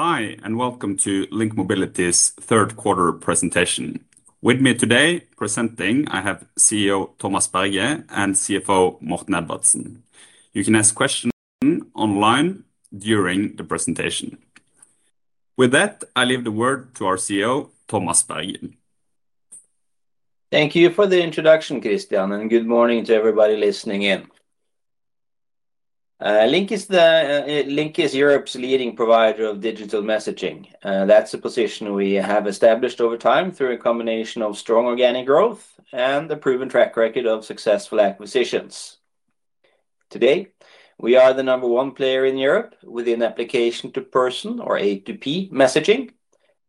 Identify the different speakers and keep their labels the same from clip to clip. Speaker 1: Hi, and welcome to LINK Mobility's third quarter presentation. With me today presenting, I have CEO Thomas Berge and CFO Morten Edvardsen. You can ask questions online during the presentation. With that, I leave the word to our CEO, Thomas Berge.
Speaker 2: Thank you for the introduction, Christian, and good morning to everybody listening in. LINK is Europe's leading provider of digital messaging. That is a position we have established over time through a combination of strong organic growth and a proven track record of successful acquisitions. Today, we are the number one player in Europe with application to person, or A2P, messaging.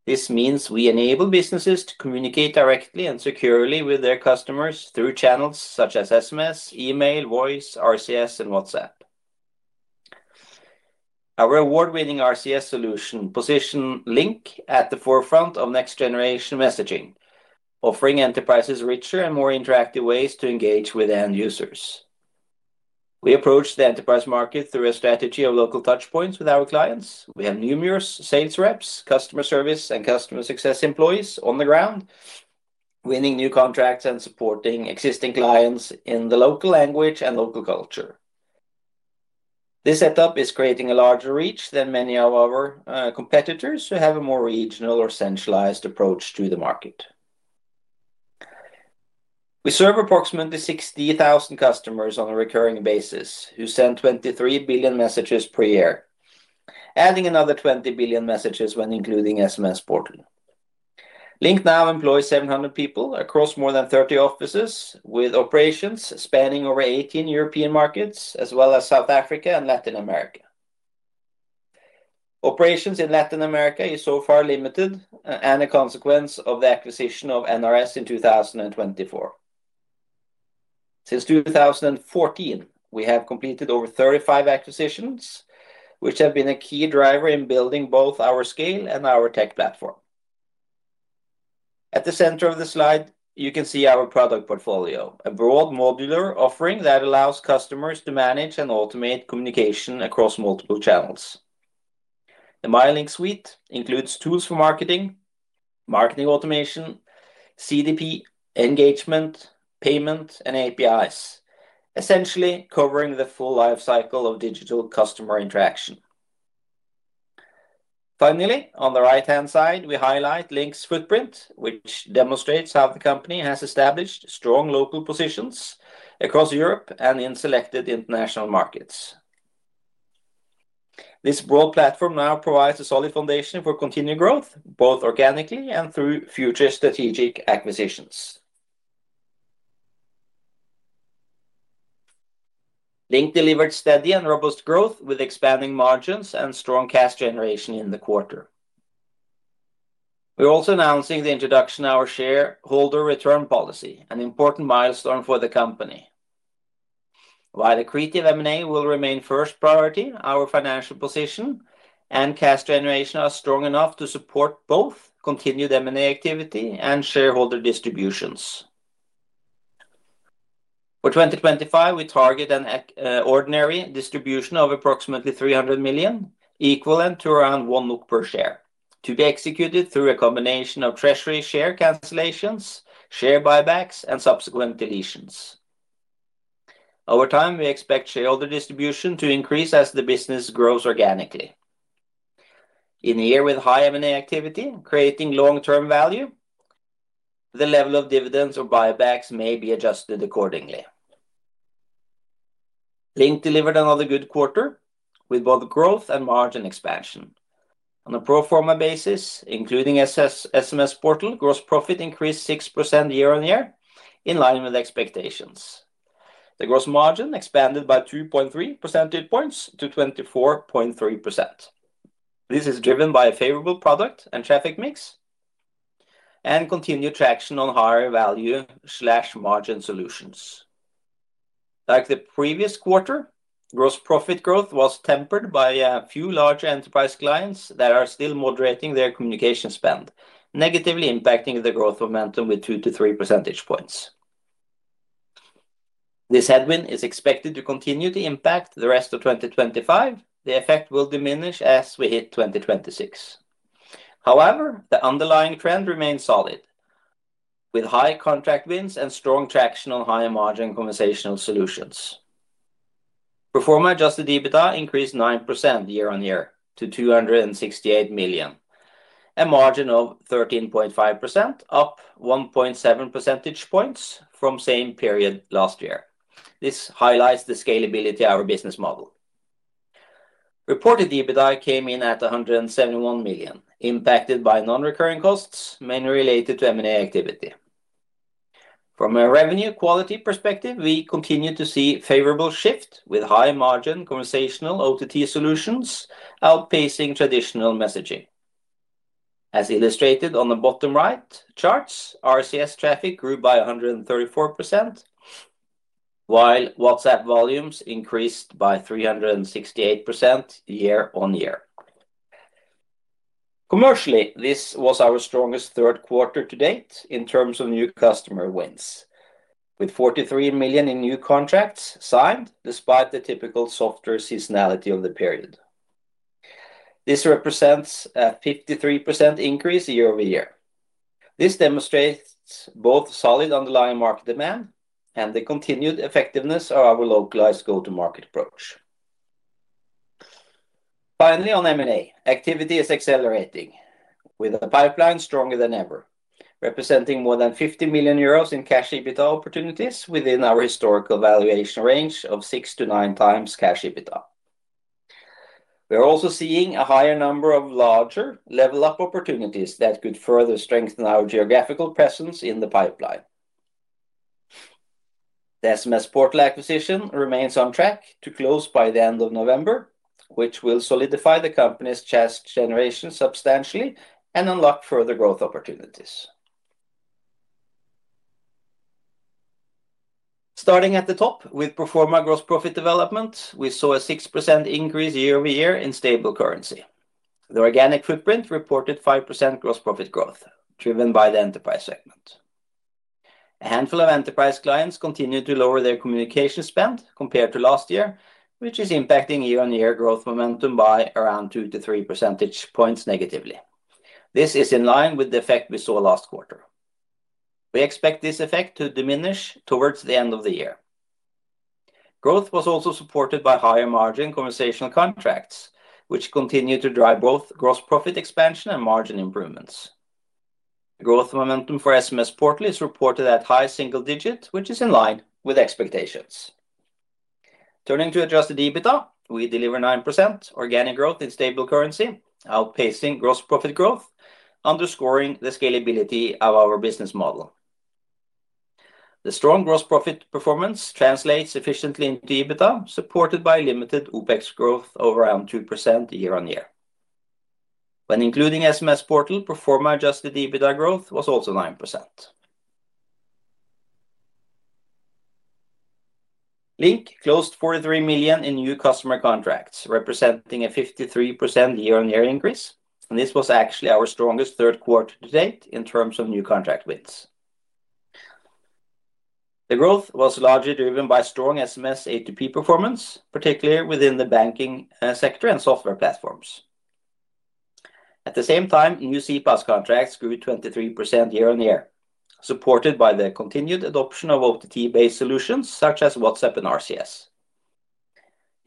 Speaker 2: This means we enable businesses to communicate directly and securely with their customers through channels such as SMS, email, voice, RCS, and WhatsApp. Our award-winning RCS solution positions LINK at the forefront of next-generation messaging, offering enterprises richer and more interactive ways to engage with end users. We approach the enterprise market through a strategy of local touchpoints with our clients. We have numerous sales reps, customer service, and customer success employees on the ground, winning new contracts and supporting existing clients in the local language and local culture. This setup is creating a larger reach than many of our competitors who have a more regional or centralized approach to the market. We serve approximately 60,000 customers on a recurring basis, who send 23 billion messages per year, adding another 20 billion messages when including SMS Portal. LINK now employs 700 people across more than 30 offices, with operations spanning over 18 European markets, as well as South Africa and Latin America. Operations in Latin America are so far limited and a consequence of the acquisition of NRS in 2024. Since 2014, we have completed over 35 acquisitions, which have been a key driver in building both our scale and our tech platform. At the center of the slide, you can see our product portfolio, a broad modular offering that allows customers to manage and automate communication across multiple channels. The MyLINK suite includes tools for marketing, marketing automation, CDP, engagement, payment, and APIs, essentially covering the full lifecycle of digital customer interaction. Finally, on the right-hand side, we highlight LINK's footprint, which demonstrates how the company has established strong local positions across Europe and in selected international markets. This broad platform now provides a solid foundation for continued growth, both organically and through future strategic acquisitions. LINK delivered steady and robust growth with expanding margins and strong cash generation in the quarter. We're also announcing the introduction of our shareholder return policy, an important milestone for the company. While accretive M&A will remain first priority, our financial position and cash generation are strong enough to support both continued M&A activity and shareholder distributions. For 2025, we target an ordinary distribution of approximately 300 million, equivalent to around 1 per share, to be executed through a combination of treasury share cancellations, share buybacks, and subsequent deletions. Over time, we expect shareholder distribution to increase as the business grows organically. In a year with high M&A activity creating long-term value, the level of dividends or buybacks may be adjusted accordingly. LINK delivered another good quarter with both growth and margin expansion. On a pro forma basis, including SMS Portal, gross profit increased 6% year-on-year in line with expectations. The gross margin expanded by 2.3 percentage points to 24.3%. This is driven by a favorable product and traffic mix. Continued traction on higher value/margin solutions. Like the previous quarter, gross profit growth was tempered by a few larger enterprise clients that are still moderating their communication spend, negatively impacting the growth momentum with 2-3 percentage points. This headwind is expected to continue to impact the rest of 2025. The effect will diminish as we hit 2026. However, the underlying trend remains solid. With high contract wins and strong traction on higher margin conversational solutions. Performer adjusted EBITDA increased 9% year-on-year to 268 million, a margin of 13.5%, up 1.7 percentage points from the same period last year. This highlights the scalability of our business model. Reported EBITDA came in at 171 million, impacted by non-recurring costs mainly related to M&A activity. From a revenue quality perspective, we continue to see a favorable shift with high-margin conversational OTT solutions outpacing traditional messaging. As illustrated on the bottom right charts, RCS traffic grew by 134%. While WhatsApp volumes increased by 368% year-on-year. Commercially, this was our strongest third quarter to date in terms of new customer wins, with 43 million in new contracts signed despite the typical softer seasonality of the period. This represents a 53% increase year-over-year. This demonstrates both solid underlying market demand and the continued effectiveness of our localized go-to-market approach. Finally, on M&A, activity is accelerating with a pipeline stronger than ever, representing more than 50 million euros in cash EBITDA opportunities within our historical valuation range of 6x-9x cash EBITDA. We are also seeing a higher number of larger level-up opportunities that could further strengthen our geographical presence in the pipeline. The SMS Portal acquisition remains on track to close by the end of November, which will solidify the company's cash generation substantially and unlock further growth opportunities. Starting at the top, with proforma gross profit development, we saw a 6% increase year-over-year in stable currency. The organic footprint reported 5% gross profit growth, driven by the enterprise segment. A handful of enterprise clients continue to lower their communication spend compared to last year, which is impacting year-on-year growth momentum by around 2-3 percentage points negatively. This is in line with the effect we saw last quarter. We expect this effect to diminish towards the end of the year. Growth was also supported by higher margin conversational contracts, which continue to drive both gross profit expansion and margin improvements. Growth momentum for SMS Portal is reported at high single-digit, which is in line with expectations. Turning to adjusted EBITDA, we deliver 9% organic growth in stable currency, outpacing gross profit growth, underscoring the scalability of our business model. The strong gross profit performance translates efficiently into EBITDA, supported by limited OpEx growth of around 2% year-on-year. When including SMS Portal, proforma adjusted EBITDA growth was also 9%. LINK closed 43 million in new customer contracts, representing a 53% year-on-year increase. This was actually our strongest third quarter to date in terms of new contract wins. The growth was largely driven by strong SMS A2P performance, particularly within the banking sector and software platforms. At the same time, new CPaaS contracts grew 23% year-on-year, supported by the continued adoption of OTT-based solutions such as WhatsApp and RCS.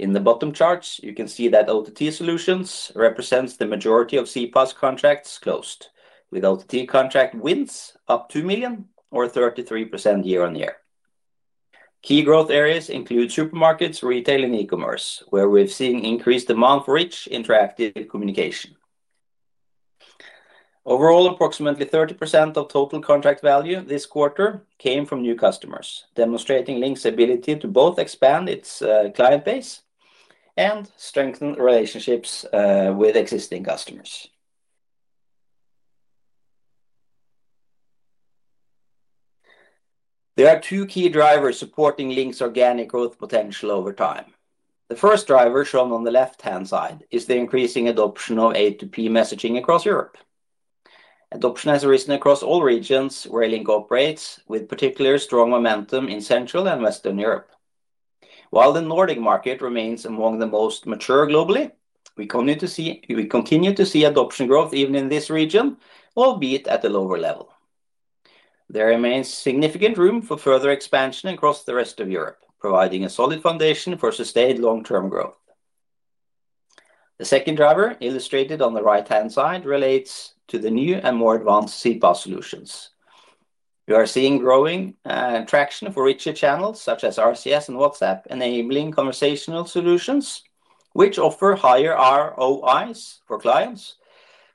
Speaker 2: In the bottom chart, you can see that OTT solutions represent the majority of CPaaS contracts closed, with OTT contract wins up 2 million, or 33% year-on-year. Key growth areas include supermarkets, retail, and e-commerce, where we're seeing increased demand for each interactive communication. Overall, approximately 30% of total contract value this quarter came from new customers, demonstrating LINK's ability to both expand its client base and strengthen relationships with existing customers. There are two key drivers supporting LINK's organic growth potential over time. The first driver, shown on the left-hand side, is the increasing adoption of A2P Messaging across Europe. Adoption has arisen across all regions where LINK operates, with particular strong momentum in Central and Western Europe. While the Nordic market remains among the most mature globally, we continue to see adoption growth even in this region, albeit at a lower level. There remains significant room for further expansion across the rest of Europe, providing a solid foundation for sustained long-term growth. The second driver, illustrated on the right-hand side, relates to the new and more advanced CPaaS solutions. We are seeing growing traction for richer channels such as RCS and WhatsApp, enabling conversational solutions which offer higher ROIs for clients,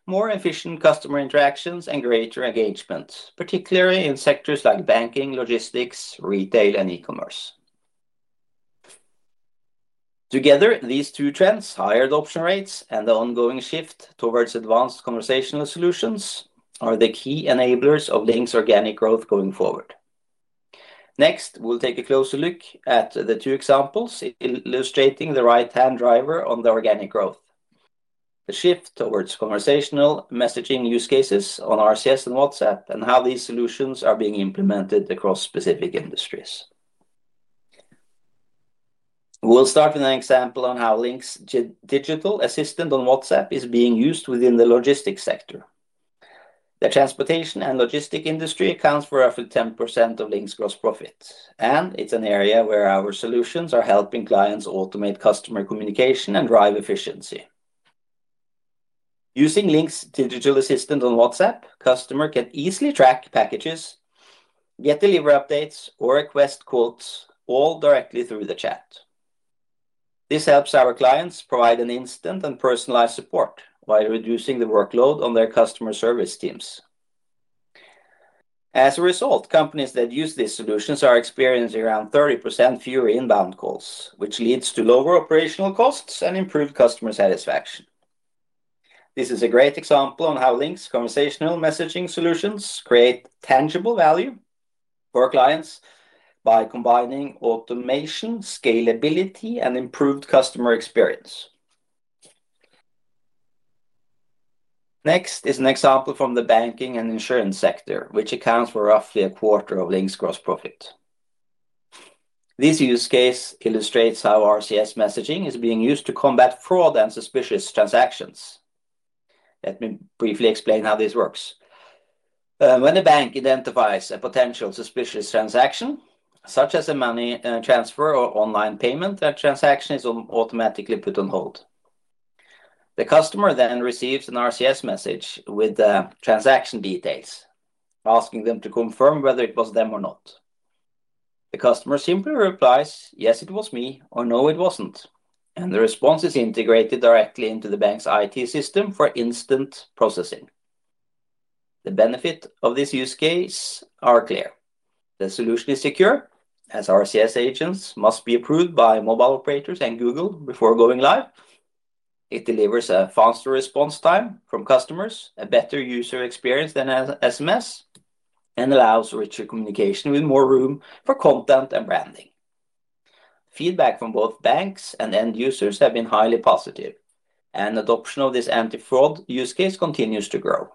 Speaker 2: more efficient customer interactions, and greater engagement, particularly in sectors like banking, logistics, retail, and e-commerce. Together, these two trends, higher adoption rates and the ongoing shift towards advanced conversational solutions, are the key enablers of LINK's organic growth going forward. Next, we'll take a closer look at the two examples illustrating the right-hand driver on the organic growth. The shift towards conversational messaging use cases on RCS and WhatsApp and how these solutions are being implemented across specific industries. We'll start with an example on how LINK's digital assistant on WhatsApp is being used within the logistics sector. The transportation and logistics industry accounts for roughly 10% of LINK's gross profit, and it's an area where our solutions are helping clients automate customer communication and drive efficiency. Using LINK's digital assistant on WhatsApp, customers can easily track packages, get delivery updates, or request quotes, all directly through the chat. This helps our clients provide instant and personalized support while reducing the workload on their customer service teams. As a result, companies that use these solutions are experiencing around 30% fewer inbound calls, which leads to lower operational costs and improved customer satisfaction. This is a great example on how LINK's conversational messaging solutions create tangible value for clients by combining automation, scalability, and improved customer experience. Next is an example from the banking and insurance sector, which accounts for roughly a quarter of LINK's gross profit. This use case illustrates how RCS messaging is being used to combat fraud and suspicious transactions. Let me briefly explain how this works. When a bank identifies a potential suspicious transaction, such as a money transfer or online payment, that transaction is automatically put on hold. The customer then receives an RCS message with the transaction details, asking them to confirm whether it was them or not. The customer simply replies, "Yes, it was me," or "No, it wasn't." The response is integrated directly into the bank's IT system for instant processing. The benefits of this use case are clear. The solution is secure, as RCS agents must be approved by mobile operators and Google before going live. It delivers a faster response time from customers, a better user experience than SMS, and allows richer communication with more room for content and branding. Feedback from both banks and end users has been highly positive, and adoption of this anti-fraud use case continues to grow.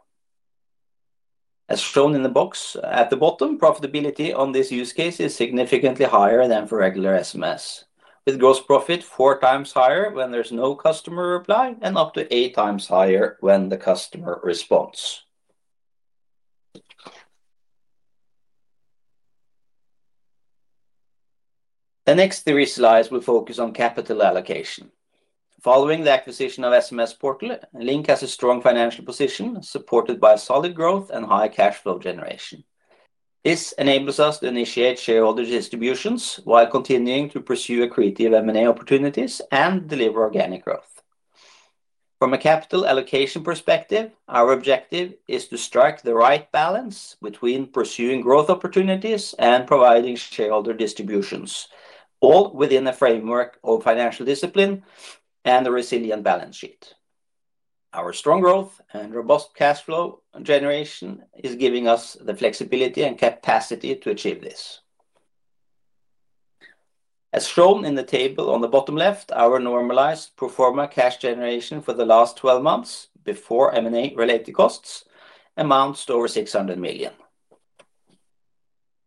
Speaker 2: As shown in the box at the bottom, profitability on this use case is significantly higher than for regular SMS, with gross profit 4x higher when there's no customer reply and up to 8x higher when the customer responds. The next three slides will focus on capital allocation. Following the acquisition of SMS Portal, LINK has a strong financial position supported by solid growth and high cash flow generation. This enables us to initiate shareholder distributions while continuing to pursue accretive M&A opportunities and deliver organic growth. From a capital allocation perspective, our objective is to strike the right balance between pursuing growth opportunities and providing shareholder distributions, all within a framework of financial discipline and a resilient balance sheet. Our strong growth and robust cash flow generation is giving us the flexibility and capacity to achieve this. As shown in the table on the bottom left, our normalized proforma cash generation for the last 12 months before M&A-related costs amounts to over 600 million.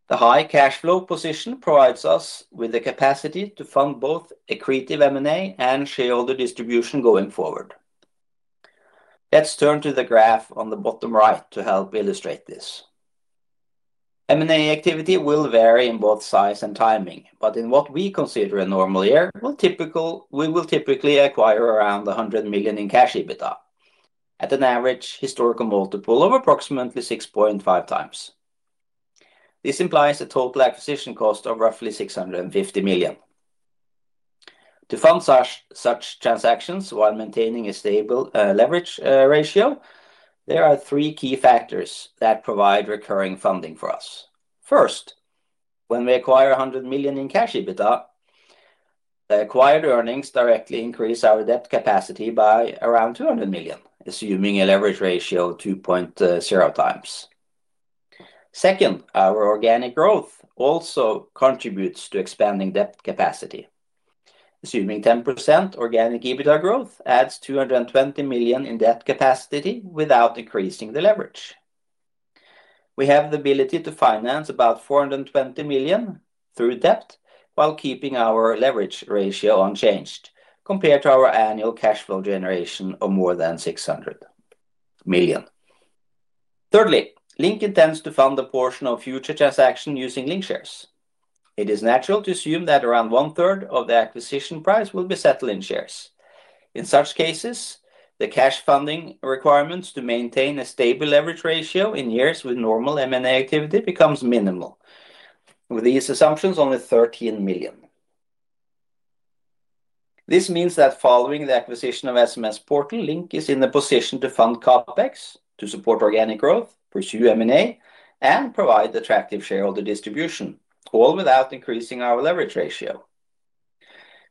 Speaker 2: The high cash flow position provides us with the capacity to fund both accretive M&A and shareholder distribution going forward. Let's turn to the graph on the bottom right to help illustrate this. M&A activity will vary in both size and timing, but in what we consider a normal year, we will typically acquire around 100 million in cash EBITDA, at an average historical multiple of approximately 6.5x. This implies a total acquisition cost of roughly 650 million. To fund such transactions while maintaining a stable leverage ratio, there are three key factors that provide recurring funding for us. First. When we acquire 100 million in cash EBITDA. The acquired earnings directly increase our debt capacity by around 200 million, assuming a leverage ratio of 2.0x. Second, our organic growth also contributes to expanding debt capacity. Assuming 10% organic EBITDA growth adds 220 million in debt capacity without increasing the leverage. We have the ability to finance about 420 million through debt while keeping our leverage ratio unchanged compared to our annual cash flow generation of more than 600 million. Thirdly, LINK intends to fund a portion of future transactions using LINK shares. It is natural to assume that around 1/3 of the acquisition price will be settled in shares. In such cases, the cash funding requirements to maintain a stable leverage ratio in years with normal M&A activity become minimal, with these assumptions only 13 million. This means that following the acquisition of SMS Portal, LINK is in a position to fund CapEx to support organic growth, pursue M&A, and provide attractive shareholder distribution, all without increasing our leverage ratio.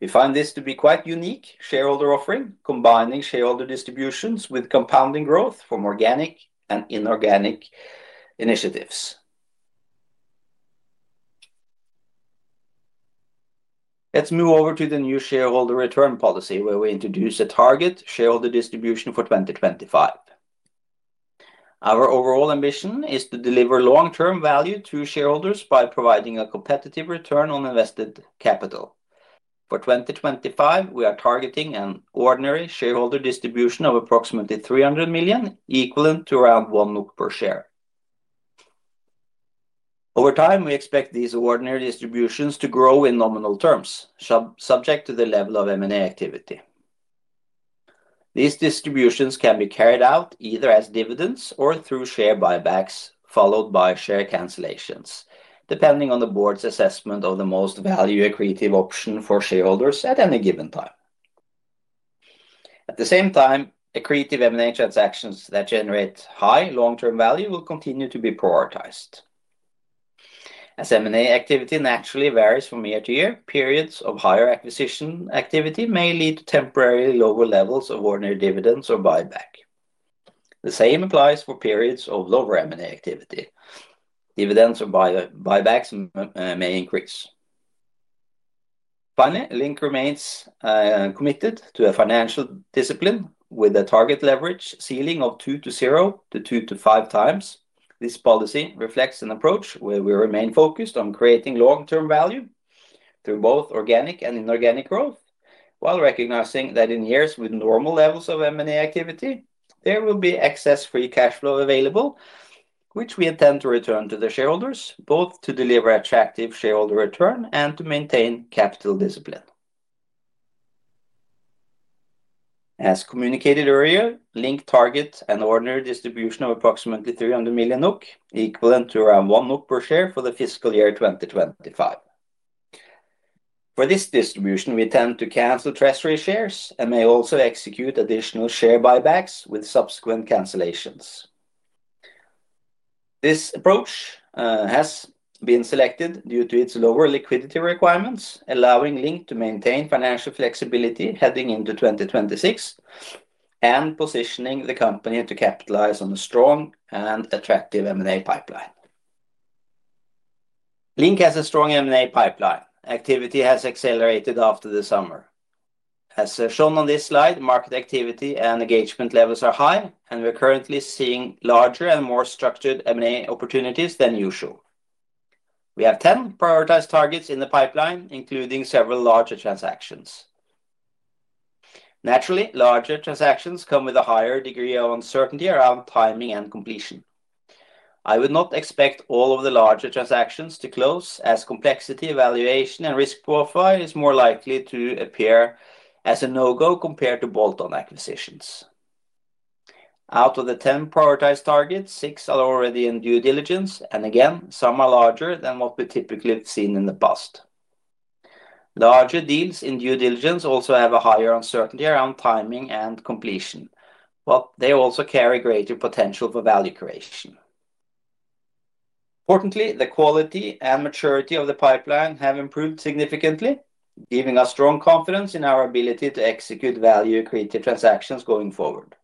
Speaker 2: We find this to be quite a unique shareholder offering, combining shareholder distributions with compounding growth from organic and inorganic initiatives. Let's move over to the new shareholder return policy, where we introduce a target shareholder distribution for 2025. Our overall ambition is to deliver long-term value to shareholders by providing a competitive return on invested capital. For 2025, we are targeting an ordinary shareholder distribution of approximately 300 million, equivalent to around 1 NOK per share. Over time, we expect these ordinary distributions to grow in nominal terms, subject to the level of M&A activity. These distributions can be carried out either as dividends or through share buybacks, followed by share cancellations, depending on the board's assessment of the most value-accretive option for shareholders at any given time. At the same time, accretive M&A transactions that generate high long-term value will continue to be prioritized. As M&A activity naturally varies from year to year, periods of higher acquisition activity may lead to temporarily lower levels of ordinary dividends or buyback. The same applies for periods of lower M&A activity. Dividends or buybacks may increase. Finally, LINK remains committed to a financial discipline with a target leverage ceiling of 2.0x-2.5x. This policy reflects an approach where we remain focused on creating long-term value through both organic and inorganic growth, while recognizing that in years with normal levels of M&A activity, there will be excess free cash flow available, which we intend to return to the shareholders, both to deliver attractive shareholder return and to maintain capital discipline. As communicated earlier, LINK targets an ordinary distribution of approximately 300 million NOK, equivalent to around 1 NOK per share for the fiscal year 2025. For this distribution, we tend to cancel treasury shares and may also execute additional share buybacks with subsequent cancellations. This approach has been selected due to its lower liquidity requirements, allowing LINK to maintain financial flexibility heading into 2026. This positions the company to capitalize on a strong and attractive M&A pipeline. LINK has a strong M&A pipeline. Activity has accelerated after the summer. As shown on this slide, market activity and engagement levels are high, and we're currently seeing larger and more structured M&A opportunities than usual. We have 10 prioritized targets in the pipeline, including several larger transactions. Naturally, larger transactions come with a higher degree of uncertainty around timing and completion. I would not expect all of the larger transactions to close, as complexity, evaluation, and risk profile are more likely to appear as a no-go compared to bolt-on acquisitions. Out of the 10 prioritized targets, six are already in due diligence, and again, some are larger than what we typically have seen in the past. Larger deals in due diligence also have a higher uncertainty around timing and completion, but they also carry greater potential for value creation. Importantly, the quality and maturity of the pipeline have improved significantly, giving us strong confidence in our ability to execute value-accretive transactions going forward.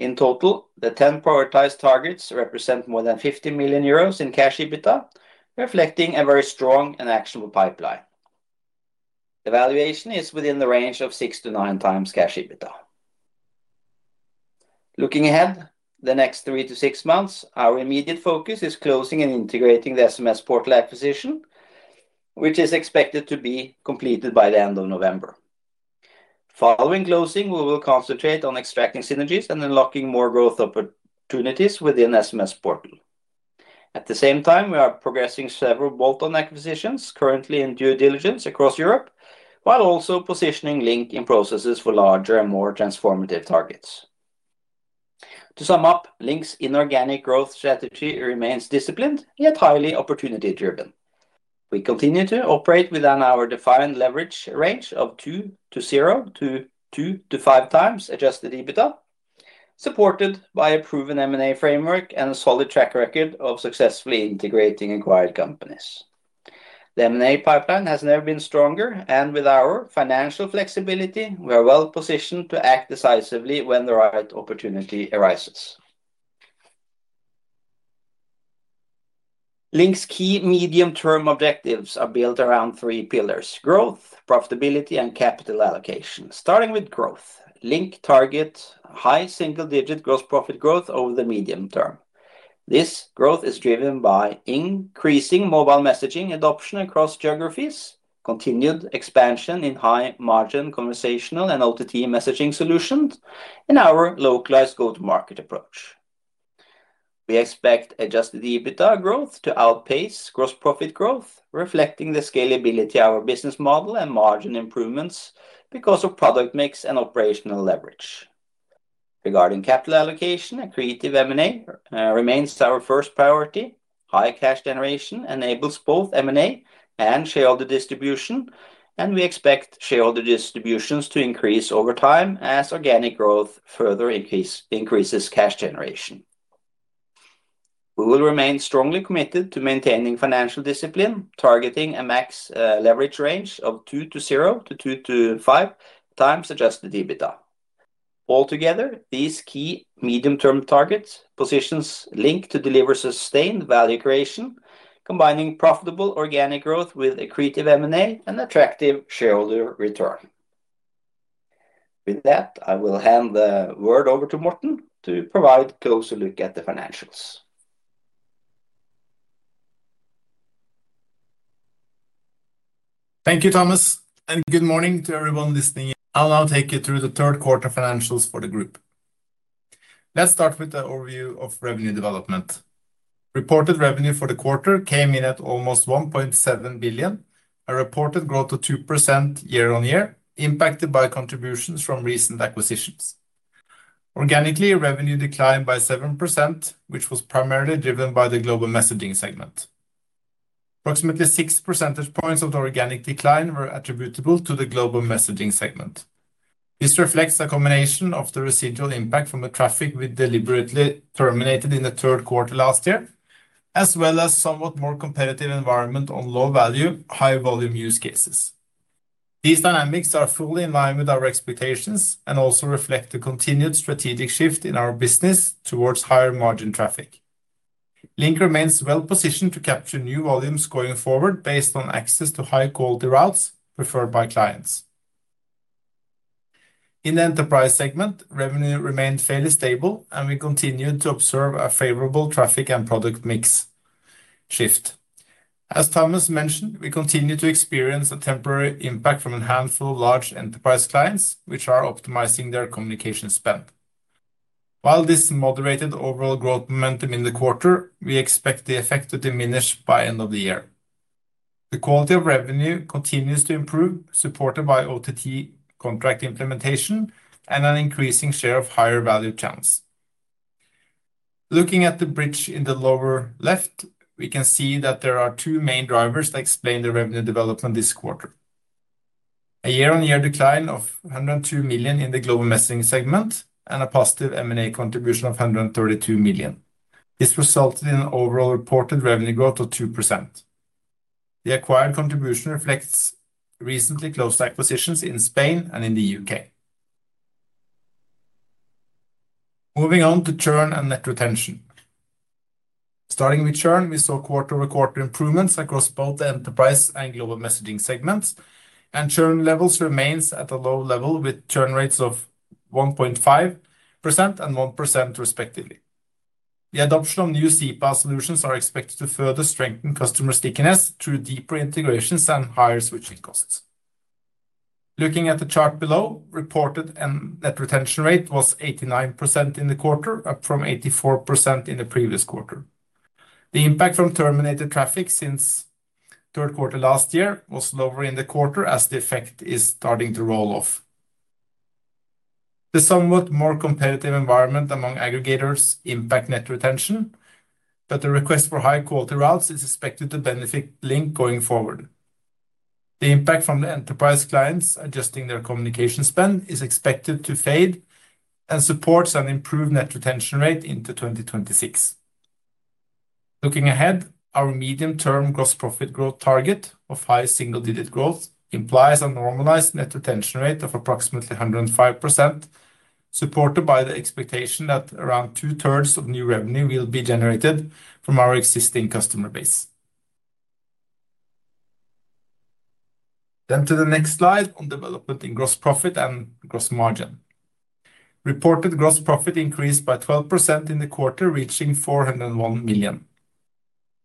Speaker 2: In total, the 10 prioritized targets represent more than 50 million euros in cash EBITDA, reflecting a very strong and actionable pipeline. The valuation is within the range of 6x-9x cash EBITDA. Looking ahead, the next 3-6 months, our immediate focus is closing and integrating the SMS Portal acquisition, which is expected to be completed by the end of November. Following closing, we will concentrate on extracting synergies and unlocking more growth opportunities within SMS Portal. At the same time, we are progressing several bolt-on acquisitions currently in due diligence across Europe, while also positioning LINK in processes for larger and more transformative targets. To sum up, LINK's inorganic growth strategy remains disciplined yet highly opportunity-driven. We continue to operate within our defined leverage range of 2.0x-2.5x adjusted EBITDA, supported by a proven M&A framework and a solid track record of successfully integrating acquired companies. The M&A pipeline has never been stronger, and with our financial flexibility, we are well positioned to act decisively when the right opportunity arises. LINK's key medium-term objectives are built around three pillars: growth, profitability, and capital allocation. Starting with growth, LINK targets high single-digit gross profit growth over the medium term. This growth is driven by increasing mobile messaging adoption across geographies, continued expansion in high-margin conversational and OTT messaging solutions, and our localized go-to-market approach. We expect adjusted EBITDA growth to outpace gross profit growth, reflecting the scalability of our business model and margin improvements because of product mix and operational leverage. Regarding capital allocation, accretive M&A remains our first priority. High cash generation enables both M&A and shareholder distribution, and we expect shareholder distributions to increase over time as organic growth further increases cash generation. We will remain strongly committed to maintaining financial discipline, targeting a max leverage range of 2.0x-2.x adjusted EBITDA. Altogether, these key medium-term targets position LINK to deliver sustained value creation, combining profitable organic growth with accretive M&A and attractive shareholder return. With that, I will hand the word over to Morten to provide a closer look at the financials.
Speaker 3: Thank you, Thomas, and good morning to everyone listening. I'll now take you through the third quarter financials for the group. Let's start with the overview of revenue development. Reported revenue for the quarter came in at almost 1.7 billion, a reported growth of 2% year-on-year, impacted by contributions from recent acquisitions. Organically, revenue declined by 7%, which was primarily driven by the global messaging segment. Approximately 6 percentage points of the organic decline were attributable to the global messaging segment. This reflects a combination of the residual impact from the traffic we deliberately terminated in the third quarter last year, as well as a somewhat more competitive environment on low-value, high-volume use cases. These dynamics are fully in line with our expectations and also reflect the continued strategic shift in our business towards higher margin traffic. LINK remains well-positioned to capture new volumes going forward based on access to high-quality routes preferred by clients. In the enterprise segment, revenue remained fairly stable, and we continued to observe a favorable traffic and product mix. As Thomas mentioned, we continue to experience a temporary impact from a handful of large enterprise clients, which are optimizing their communication spend. While this moderated overall growth momentum in the quarter, we expect the effect to diminish by the end of the year. The quality of revenue continues to improve, supported by OTT contract implementation and an increasing share of higher value chains. Looking at the bridge in the lower left, we can see that there are two main drivers that explain the revenue development this quarter. A year-on-year decline of 102 million in the global messaging segment and a positive M&A contribution of 132 million. This resulted in an overall reported revenue growth of 2%. The acquired contribution reflects recently closed acquisitions in Spain and in the U.K. Moving on to churn and net retention. Starting with churn, we saw quarter-over-quarter improvements across both the enterprise and global messaging segments, and churn levels remained at a low level with churn rates of 1.5% and 1% respectively. The adoption of new CPaaS solutions is expected to further strengthen customer stickiness through deeper integrations and higher switching costs. Looking at the chart below, reported net retention rate was 89% in the quarter, up from 84% in the previous quarter. The impact from terminated traffic since third quarter last year was lower in the quarter as the effect is starting to roll off. The somewhat more competitive environment among aggregators impacts net retention, but the request for high-quality routes is expected to benefit LINK going forward. The impact from the enterprise clients adjusting their communication spend is expected to fade and supports an improved net retention rate into 2026. Looking ahead, our medium-term gross profit growth target of high single-digit growth implies a normalized net retention rate of approximately 105%, supported by the expectation that around 2/3 of new revenue will be generated from our existing customer base. To the next slide on development in gross profit and gross margin. Reported gross profit increased by 12% in the quarter, reaching 401 million.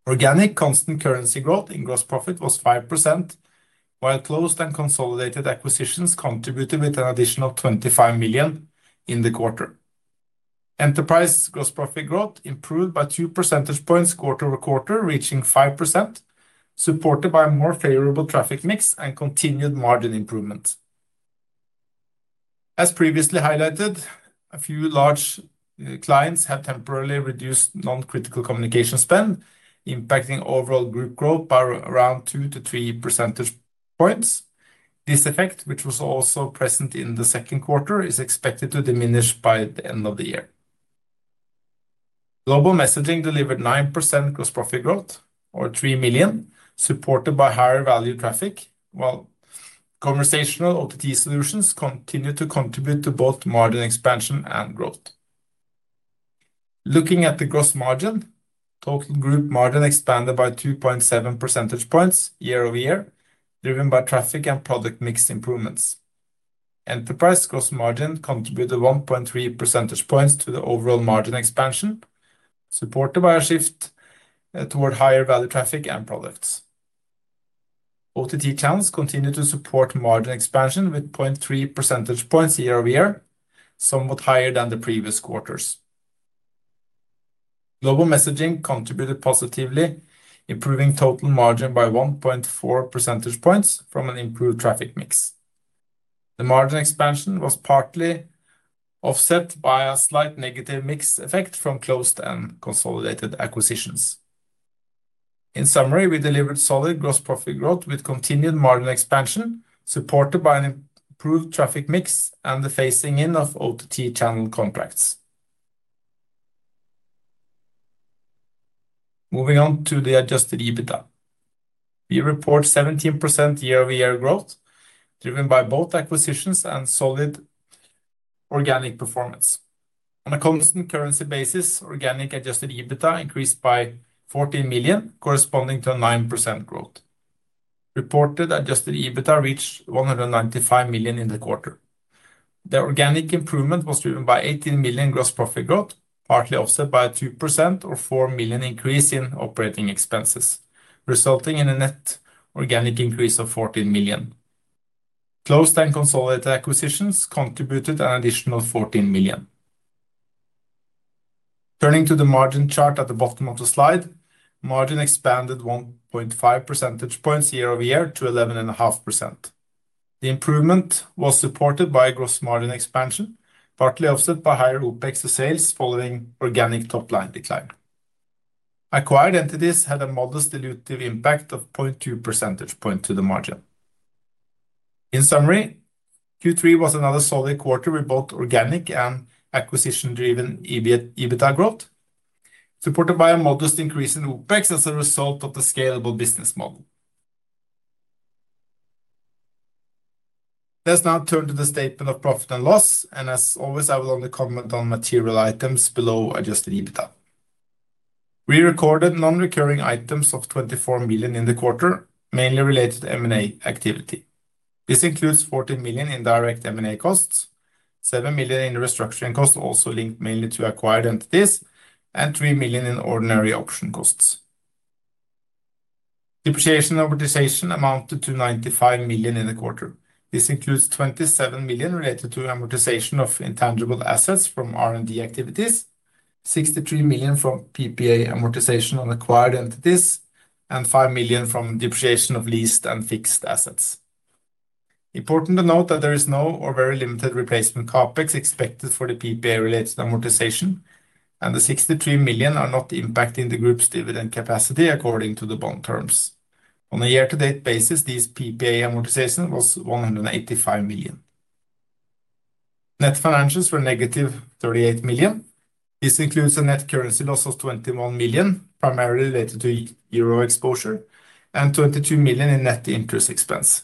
Speaker 3: Organic constant currency growth in gross profit was 5%, while closed and consolidated acquisitions contributed with an additional 25 million in the quarter. Enterprise gross profit growth improved by 2 percentage points quarter over quarter, reaching 5%, supported by a more favorable traffic mix and continued margin improvement. As previously highlighted, a few large clients have temporarily reduced non-critical communication spend, impacting overall group growth by around 2-3 percentage points. This effect, which was also present in the second quarter, is expected to diminish by the end of the year. Global messaging delivered 9% gross profit growth, or 3 million, supported by higher value traffic, while conversational OTT solutions continue to contribute to both margin expansion and growth. Looking at the gross margin, total group margin expanded by 2.7 percentage points year-over-year, driven by traffic and product mix improvements. Enterprise gross margin contributed 1.3 percentage points to the overall margin expansion, supported by a shift toward higher value traffic and products. OTT channels continue to support margin expansion with 0.3 percentage points year-over-year, somewhat higher than the previous quarters. Global messaging contributed positively, improving total margin by 1.4 percentage points from an improved traffic mix. The margin expansion was partly offset by a slight negative mix effect from closed and consolidated acquisitions. In summary, we delivered solid gross profit growth with continued margin expansion, supported by an improved traffic mix and the phasing in of OTT channel contracts. Moving on to the adjusted EBITDA. We report 17% year-over-year growth, driven by both acquisitions and solid organic performance. On a constant currency basis, organic adjusted EBITDA increased by 14 million, corresponding to a 9% growth. Reported adjusted EBITDA reached 195 million in the quarter. The organic improvement was driven by 18 million gross profit growth, partly offset by a 2% or 4 million increase in operating expenses, resulting in a net organic increase of 14 million. Closed and consolidated acquisitions contributed an additional 14 million. Turning to the margin chart at the bottom of the slide, margin expanded 1.5 percentage points year-over-year to 11.5%. The improvement was supported by gross margin expansion, partly offset by higher OpEx to sales following organic top-line decline. Acquired entities had a modest dilutive impact of 0.2 percentage points to the margin. In summary, Q3 was another solid quarter with both organic and acquisition-driven EBITDA growth, supported by a modest increase in OpEx as a result of the scalable business model. Let's now turn to the statement of profit and loss, and as always, I will only comment on material items below adjusted EBITDA. We recorded non-recurring items of 24 million in the quarter, mainly related to M&A activity. This includes 14 million in direct M&A costs, 7 million in restructuring costs also linked mainly to acquired entities, and 3 million in ordinary option costs. Depreciation amortization amounted to 95 million in the quarter. This includes 27 million related to amortization of intangible assets from R&D activities, 63 million from PPA amortization on acquired entities, and 5 million from depreciation of leased and fixed assets. Important to note that there is no or very limited replacement CapEx expected for the PPA-related amortization, and the 63 million are not impacting the group's dividend capacity according to the bond terms. On a year-to-date basis, this PPA amortization was 185 million. Net financials were negative 38 million. This includes a net currency loss of 21 million, primarily related to Euro exposure, and 22 million in net interest expense.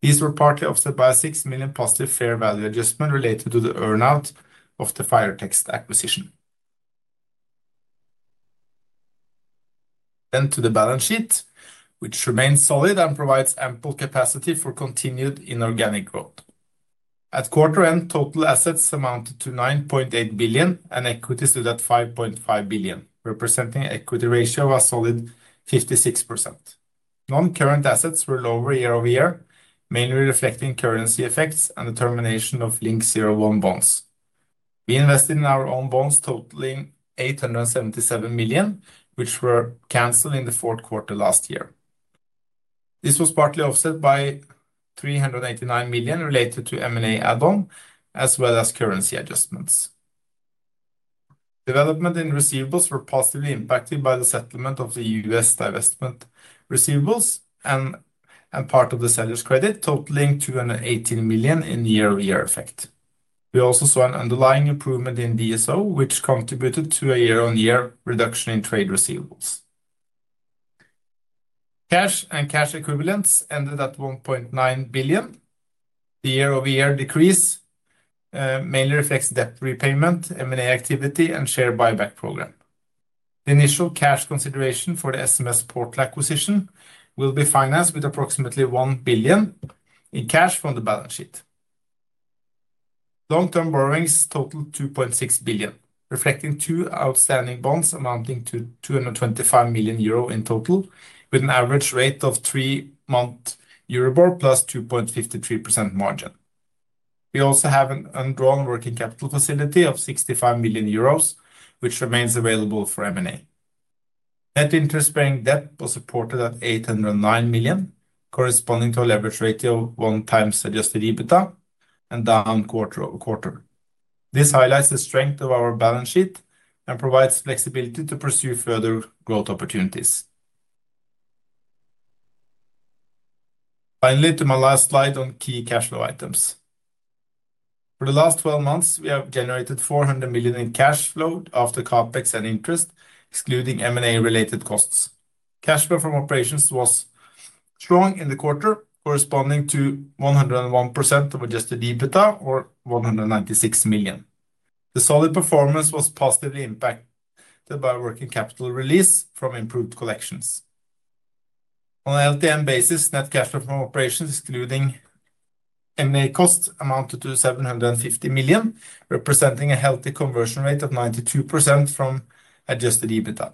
Speaker 3: These were partly offset by a 6 million positive fair value adjustment related to the earnout of the FireText acquisition. To the balance sheet, which remains solid and provides ample capacity for continued inorganic growth. At quarter-end, total assets amounted to 9.8 billion and equity to 5.5 billion, representing an equity ratio of a solid 56%. Non-current assets were lower year-over-year, mainly reflecting currency effects and the termination of LINK01 bonds. We invested in our own bonds, totaling 877 million, which were canceled in the fourth quarter last year. This was partly offset by 389 million related to M&A add-on, as well as currency adjustments. Development in receivables was positively impacted by the settlement of the U.S. divestment receivables and part of the seller's credit, totaling 218 million in year-over-year effect. We also saw an underlying improvement in DSO, which contributed to a year-on-year reduction in trade receivables. Cash and cash equivalents ended at 1.9 billion. The year-over-year decrease mainly reflects debt repayment, M&A activity, and share buyback program. The initial cash consideration for the SMS Portal acquisition will be financed with approximately 1 billion in cash from the balance sheet. Long-term borrowings totaled 2.6 billion, reflecting two outstanding bonds amounting to 225 million euro in total, with an average rate of 3-month Euribor plus 2.53% margin. We also have an undrawn working capital facility of 65 million euros, which remains available for M&A. Net interest-bearing debt was reported at 809 million, corresponding to a leverage ratio of 1x adjusted EBITDA and down quarter-over-quarter. This highlights the strength of our balance sheet and provides flexibility to pursue further growth opportunities. Finally, to my last slide on key cash flow items. For the last 12 months, we have generated 400 million in cash flow after CapEx and interest, excluding M&A-related costs. Cash flow from operations was strong in the quarter, corresponding to 101% of adjusted EBITDA, or 196 million. The solid performance was positively impacted by working capital release from improved collections. On a LTM basis, net cash flow from operations, excluding M&A costs, amounted to 750 million, representing a healthy conversion rate of 92% from adjusted EBITDA.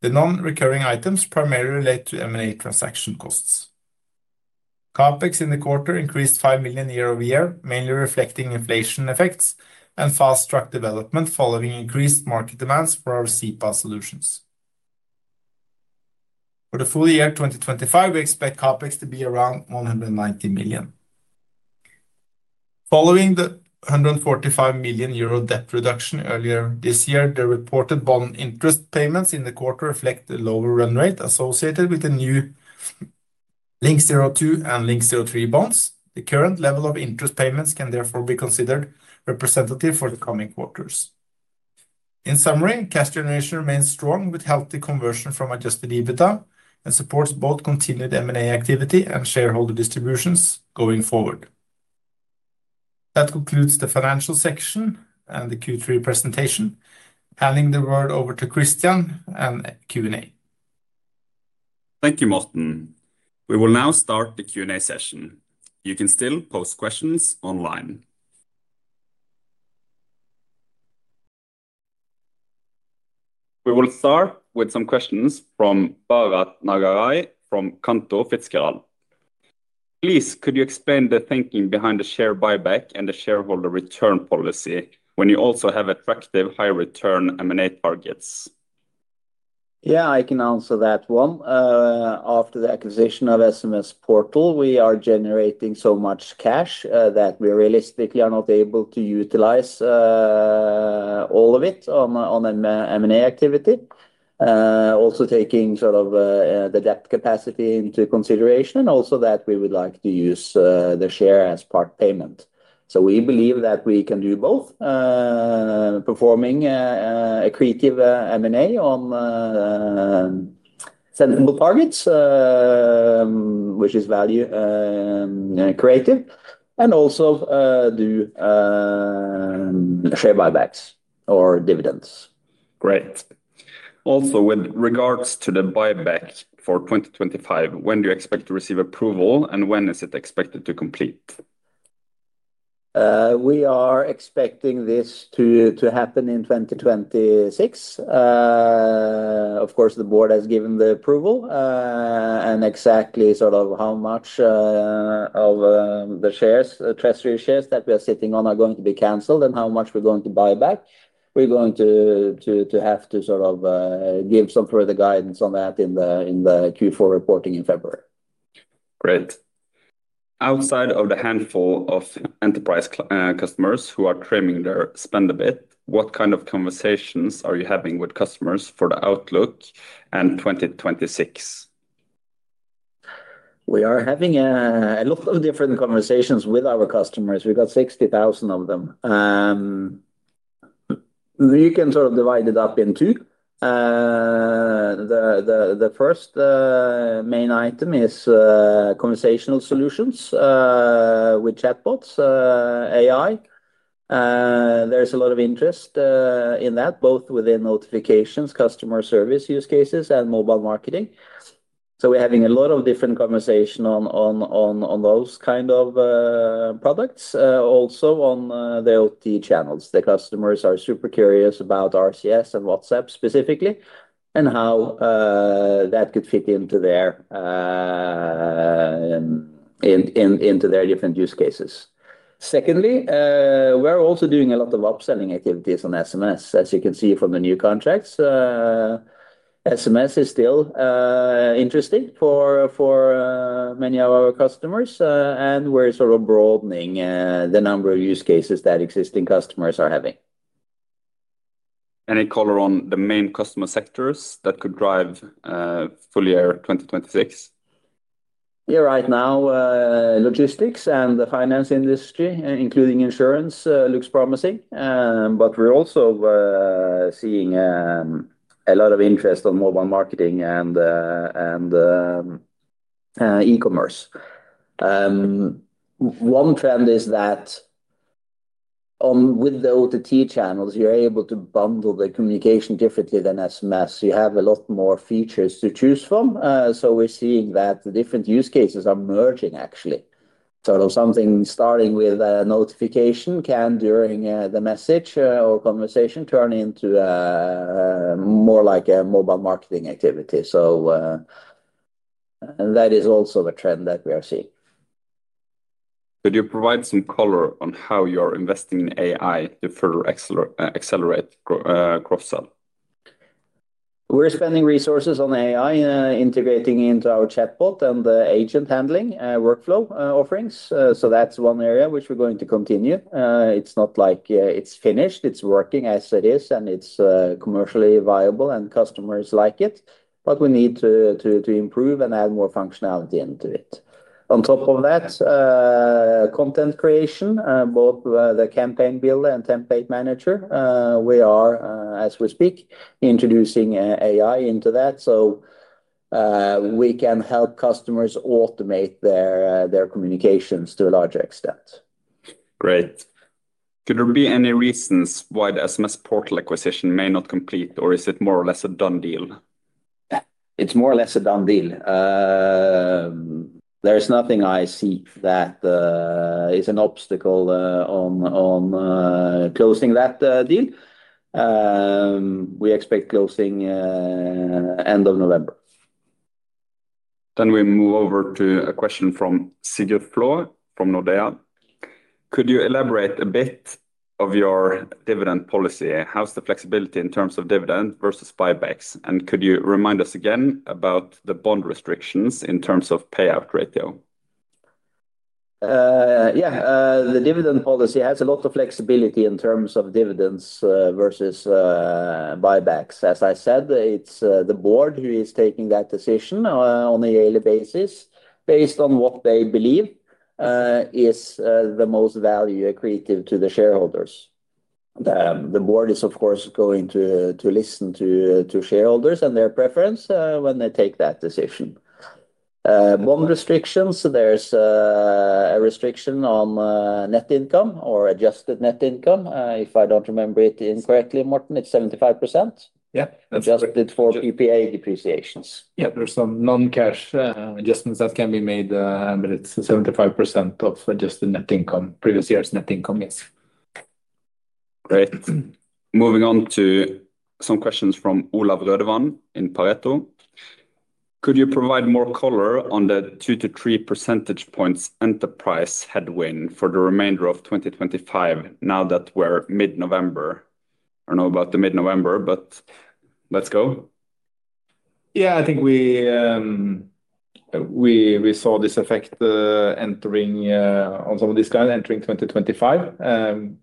Speaker 3: The non-recurring items primarily relate to M&A transaction costs. CapEx in the quarter increased 5 million year-over-year, mainly reflecting inflation effects and fast-tracked development following increased market demands for our CPaaS solutions. For the full year 2025, we expect CapEx to be around 190 million. Following the 145 million euro debt reduction earlier this year, the reported bond interest payments in the quarter reflect the lower run rate associated with the new LINK02 and LINK03 bonds. The current level of interest payments can therefore be considered representative for the coming quarters. In summary, cash generation remains strong with healthy conversion from adjusted EBITDA and supports both continued M&A activity and shareholder distributions going forward. That concludes the financial section and the Q3 presentation. Handing the word over to Christian and Q&A.
Speaker 1: Thank you, Morten. We will now start the Q&A session. You can still post questions online. We will start with some questions from Bharath Nhagaraj from Cantor Fitzgerald. Please, could you explain the thinking behind the share buyback and the shareholder return policy when you also have attractive high-return M&A targets?
Speaker 2: Yeah, I can answer that one. After the acquisition of SMS Portal, we are generating so much cash that we realistically are not able to utilize all of it on an M&A activity. Also taking sort of the debt capacity into consideration, also that we would like to use the share as part payment. We believe that we can do both, performing a creative M&A on sensible targets, which is value creative, and also do share buybacks or dividends.
Speaker 1: Great. Also, with regards to the buyback for 2025, when do you expect to receive approval, and when is it expected to complete?
Speaker 2: We are expecting this to happen in 2026. Of course, the board has given the approval, and exactly how much of the shares, the treasury shares that we are sitting on, are going to be canceled and how much we're going to buy back. We're going to have to give some further guidance on that in the Q4 reporting in February.
Speaker 1: Great. Outside of the handful of enterprise customers who are trimming their spend a bit, what kind of conversations are you having with customers for the outlook and 2026?
Speaker 2: We are having a lot of different conversations with our customers. We got 60,000 of them. You can sort of divide it up in two. The first main item is conversational solutions, with chatbots, AI. There's a lot of interest in that, both within notifications, customer service use cases, and mobile marketing. We're having a lot of different conversations on those kind of products, also on the OTT channels. The customers are super curious about RCS and WhatsApp specifically, and how that could fit into their different use cases. Secondly, we're also doing a lot of upselling activities on SMS, as you can see from the new contracts. SMS is still interesting for many of our customers, and we're sort of broadening the number of use cases that existing customers are having.
Speaker 1: Any color on the main customer sectors that could drive full year 2026?
Speaker 2: Yeah, right now, logistics and the finance industry, including insurance, looks promising. We're also seeing a lot of interest on mobile marketing and e-commerce. One trend is that with the OTT channels, you're able to bundle the communication differently than SMS. You have a lot more features to choose from. We're seeing that the different use cases are merging, actually. Something starting with a notification can during the message or conversation turn into more like a mobile marketing activity. That is also the trend that we are seeing.
Speaker 1: Could you provide some color on how you're investing in AI to further accelerate cross-sell?
Speaker 2: We're spending resources on AI, integrating into our chatbot and the agent handling workflow offerings. That's one area which we're going to continue. It's not like it's finished. It's working as it is, and it's commercially viable, and customers like it. We need to improve and add more functionality into it. On top of that, content creation, both the campaign build and template manager, we are, as we speak, introducing AI into that. We can help customers automate their communications to a large extent.
Speaker 1: Great. Could there be any reasons why the SMS Portal acquisition may not complete, or is it more or less a done deal?
Speaker 2: It's more or less a done deal. There is nothing I see that is an obstacle on closing that deal. We expect closing end of November.
Speaker 1: We move over to a question from Sigurd Flaa from Nordea. Could you elaborate a bit of your dividend policy? How's the flexibility in terms of dividend versus buybacks? Could you remind us again about the bond restrictions in terms of payout ratio?
Speaker 2: Yeah, the dividend policy has a lot of flexibility in terms of dividends versus buybacks. As I said, it's the board who is taking that decision on a yearly basis, based on what they believe is the most value creative to the shareholders. The board is, of course, going to listen to shareholders and their preference when they take that decision. Bond restrictions, there's a restriction on net income or adjusted net income. If I don't remember it incorrectly, Morten, it's 75%.
Speaker 3: Yeah.
Speaker 2: That's adjusted for PPA depreciations.
Speaker 3: Yeah, there's some non-cash adjustments that can be made, but it's 75% of adjusted net income, previous year's net income, yes.
Speaker 1: Great. Moving on to some questions from Olav Rødevand in Pareto. Could you provide more color on the 2-3 percentage points enterprise headwind for the remainder of 2025, now that we're mid-November? I don't know about the mid-November, but let's go.
Speaker 3: Yeah, I think we. We saw this effect, entering, on some of these guys entering 2025.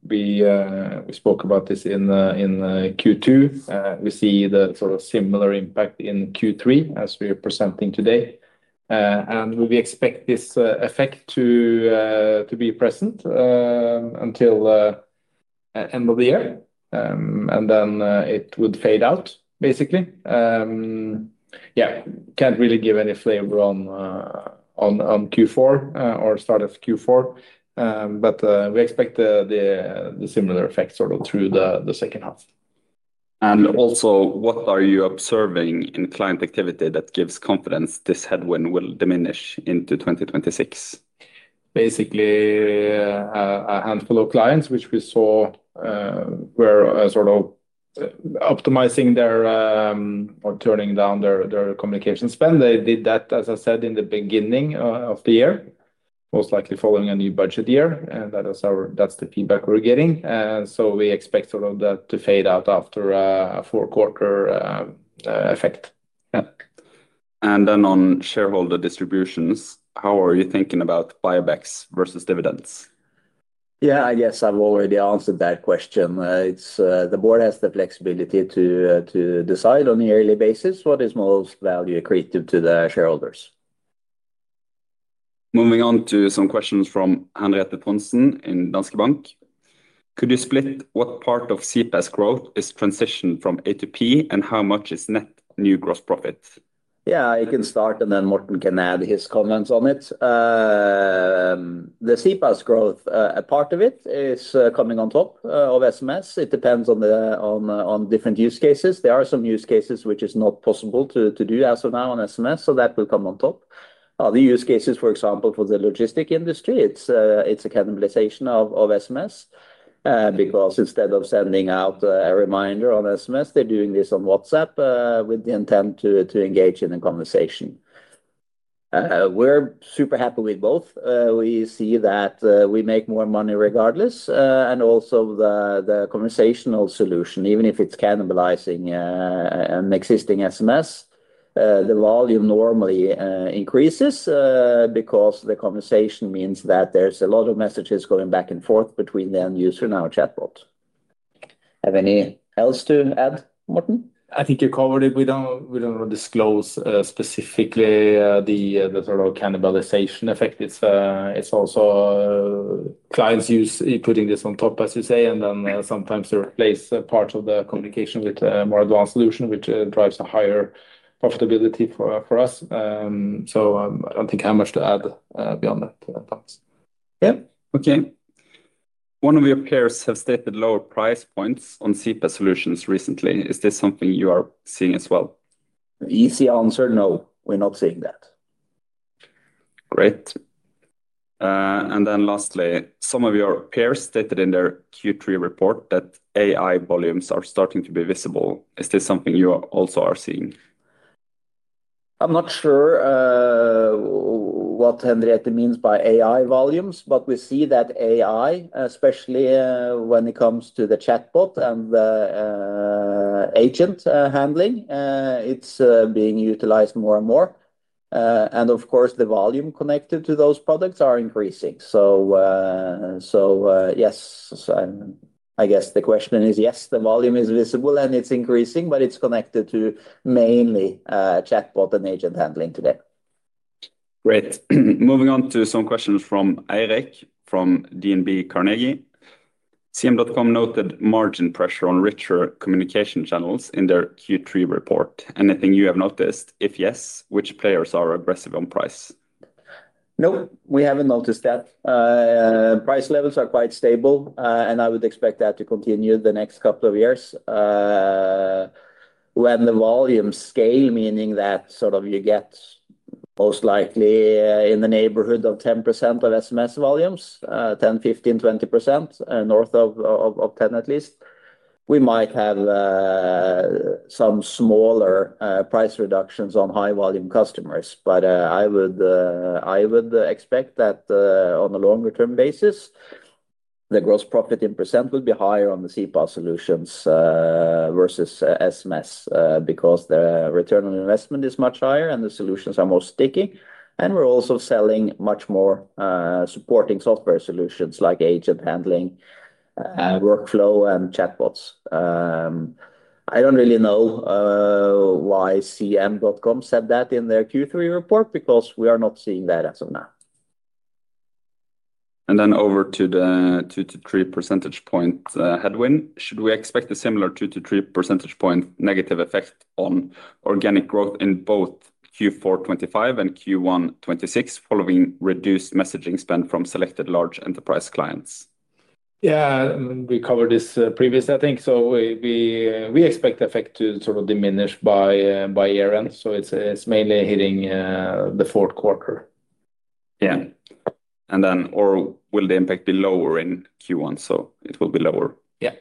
Speaker 3: We spoke about this in Q2. We see the sort of similar impact in Q3 as we are presenting today. We expect this effect to be present until end of the year, and then it would fade out, basically. Yeah, can't really give any flavor on Q4, or start of Q4, but we expect the similar effect sort of through the second half.
Speaker 1: Also, what are you observing in client activity that gives confidence this headwind will diminish into 2026?
Speaker 3: Basically, a handful of clients, which we saw, were sort of optimizing their, or turning down their communication spend. They did that, as I said, in the beginning of the year, most likely following a new budget year. That is our, that's the feedback we're getting. We expect sort of that to fade out after a four-quarter effect. Yeah.
Speaker 1: On shareholder distributions, how are you thinking about buybacks versus dividends?
Speaker 2: Yeah, I guess I've already answered that question. The board has the flexibility to decide on a yearly basis what is most value creative to the shareholders.
Speaker 1: Moving on to some questions from Henriette Thomsen in Danske Bank. Could you split what part of CPaaS growth is transitioned from A2P and how much is net new gross profit?
Speaker 2: Yeah, I can start and then Morten can add his comments on it. The CPaaS growth, a part of it is coming on top of SMS. It depends on different use cases. There are some use cases which is not possible to do as of now on SMS, so that will come on top. Other use cases, for example, for the logistic industry, it's a cannibalization of SMS, because instead of sending out a reminder on SMS, they're doing this on WhatsApp, with the intent to engage in a conversation. We're super happy with both. We see that we make more money regardless, and also the conversational solution, even if it's cannibalizing an existing SMS, the volume normally increases, because the conversation means that there's a lot of messages going back and forth between the end user and our chatbot. Have any else to add, Morten?
Speaker 3: I think you covered it. We don't want to disclose, specifically, the sort of cannibalization effect. It's also, clients use putting this on top, as you say, and then sometimes they replace parts of the communication with a more advanced solution, which drives a higher profitability for us. I don't think I have much to add, beyond that.
Speaker 1: Yeah. Okay. One of your peers has stated lower price points on CPaaS solutions recently. Is this something you are seeing as well?
Speaker 2: Easy answer, no. We're not seeing that. Great. And then lastly, some of your peers stated in their Q3 report that AI volumes are starting to be visible. Is this something you also are seeing? I'm not sure what Henriette means by AI volumes, but we see that AI, especially when it comes to the chatbot and the agent handling, it's being utilized more and more. Of course, the volume connected to those products are increasing. Yes, I guess the question is yes, the volume is visible and it's increasing, but it's connected to mainly chatbot and agent handling today.
Speaker 1: Great. Moving on to some questions from Eirik from DNB Carnegie. CM.com noted margin pressure on richer communication channels in their Q3 report. Anything you have noticed? If yes, which players are aggressive on price?
Speaker 2: No, we haven't noticed that. Price levels are quite stable, and I would expect that to continue the next couple of years. When the volumes scale, meaning that sort of you get most likely in the neighborhood of 10% of SMS volumes, 10%, 15%, 20%, and north of 10% at least, we might have some smaller price reductions on high volume customers. I would expect that on a longer term basis. The gross profit in percentage would be higher on the CPaaS solutions, versus SMS, because the return on investment is much higher and the solutions are more sticky. We're also selling much more, supporting software solutions like agent handling, workflow, and chatbots. I don't really know why CM.com said that in their Q3 report because we are not seeing that as of now.
Speaker 1: Then over to the 2-3 percentage point headwind, should we expect a similar 2-3 percentage point negative effect on organic growth in both Q4 2025 and Q1 2026 following reduced messaging spend from selected large enterprise clients?
Speaker 3: Yeah, we covered this previously, I think. We expect the effect to sort of diminish by year-end. It's mainly hitting the fourth quarter.
Speaker 1: Yeah. Or will the impact be lower in Q1? It will be lower.
Speaker 3: Yeah.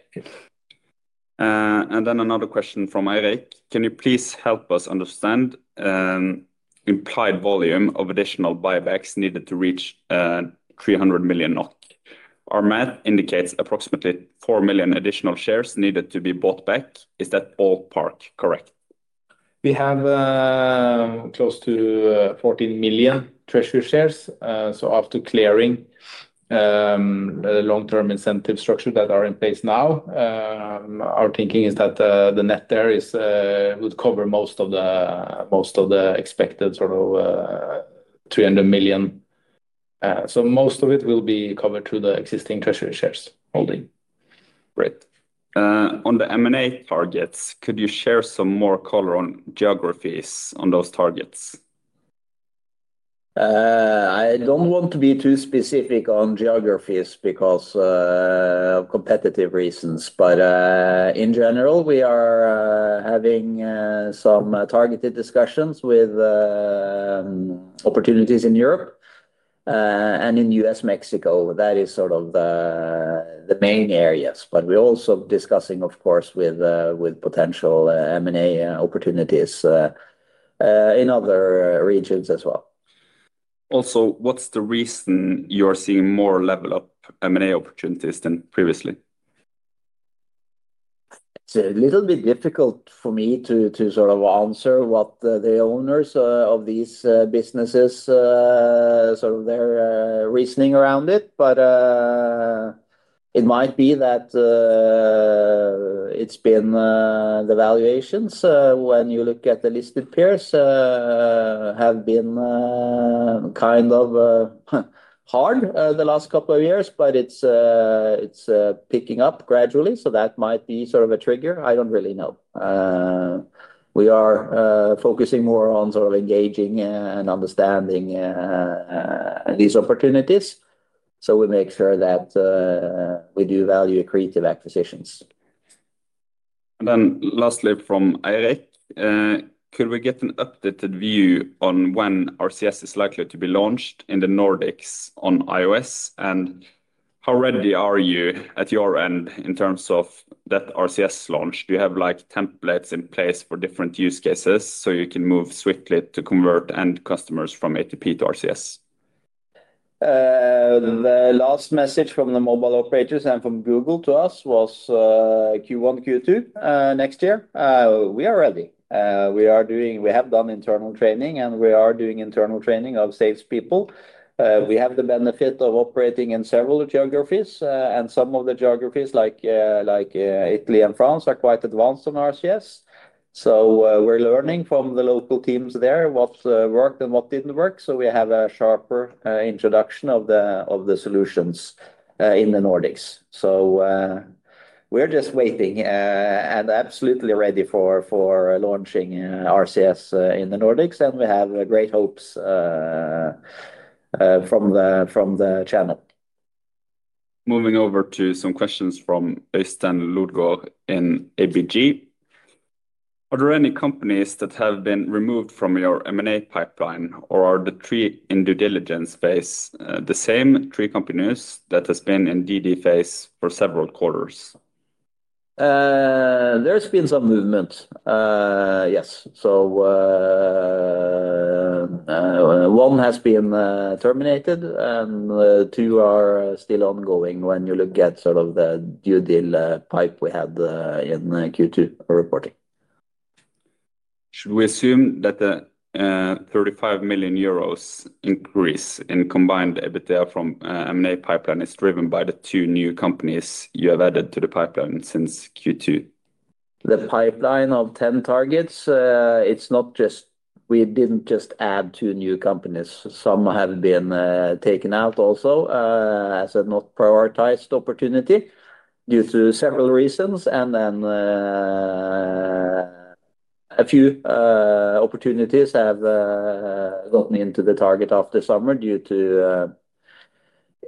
Speaker 1: And then another question from Eirik. Can you please help us understand implied volume of additional buybacks needed to reach 300 million NOK? Our math indicates approximately 4 million additional shares needed to be bought back. Is that all part correct?
Speaker 3: We have close to 14 million treasury shares. So after clearing the long-term incentive structure that are in place now, our thinking is that the net there is, would cover most of the most of the expected sort of 300 million. So most of it will be covered through the existing treasury shares holding.
Speaker 1: Great. On the M&A targets, could you share some more color on geographies on those targets?
Speaker 2: I do not want to be too specific on geographies because of competitive reasons. But, in general, we are having some targeted discussions with opportunities in Europe and in US, Mexico. That is sort of the main areas. We're also discussing, of course, with potential M&A opportunities in other regions as well.
Speaker 1: Also, what's the reason you're seeing more level up M&A opportunities than previously?
Speaker 2: It's a little bit difficult for me to sort of answer what the owners of these businesses, sort of their reasoning around it. It might be that it's been, the valuations, when you look at the listed peers, have been kind of hard the last couple of years, but it's picking up gradually. That might be sort of a trigger. I don't really know. We are focusing more on sort of engaging and understanding these opportunities, so we make sure that we do value creative acquisitions.
Speaker 1: Lastly from Eirik, could we get an updated view on when RCS is likely to be launched in the Nordics on iOS? How ready are you at your end in terms of that RCS launch? Do you have templates in place for different use cases so you can move swiftly to convert end customers from A2P to RCS?
Speaker 2: The last message from the mobile operators and from Google to us was Q1, Q2, next year. We are ready. We are doing, we have done internal training and we are doing internal training of salespeople. We have the benefit of operating in several geographies, and some of the geographies like Italy and France are quite advanced on RCS. We are learning from the local teams there what worked and what did not work. We have a sharper introduction of the solutions in the Nordics. We're just waiting and absolutely ready for launching RCS in the Nordics. We have great hopes from the channel.
Speaker 1: Moving over to some questions from Øystein Lodgård in ABG. Are there any companies that have been removed from your M&A pipeline, or are the three in due diligence phase the same three companies that have been in DD phase for several quarters?
Speaker 2: There's been some movement, yes. One has been terminated and two are still ongoing when you look at the due diligence pipe we had in Q2 reporting. Should we assume that the 35 million euros increase in combined EBITDA from M&A pipeline is driven by the two new companies you have added to the pipeline since Q2? The pipeline of 10 targets, it's not just we didn't just add two new companies. Some have been taken out also, as a not prioritized opportunity due to several reasons. A few opportunities have gotten into the target after summer due to,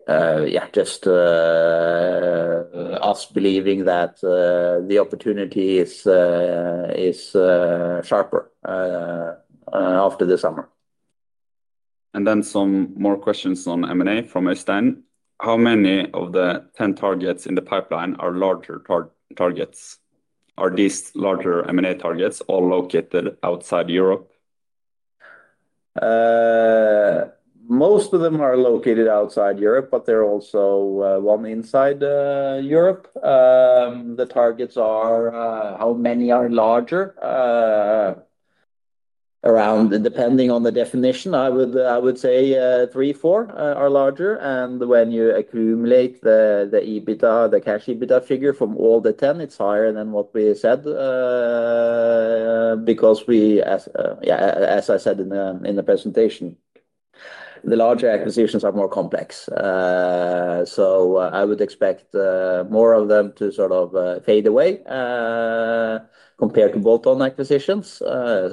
Speaker 2: yeah, just us believing that the opportunity is sharper after the summer.
Speaker 1: Some more questions on M&A from Øystein. How many of the 10 targets in the pipeline are larger targets? Are these larger M&A targets all located outside Europe?
Speaker 2: Most of them are located outside Europe, but there is also one inside Europe. The targets are, how many are larger, around, depending on the definition, I would say three, four are larger. When you accumulate the EBITDA, the cash EBITDA figure from all the 10, it's higher than what we said, because we, as I said in the presentation. The larger acquisitions are more complex, so I would expect more of them to sort of fade away compared to bolt-on acquisitions.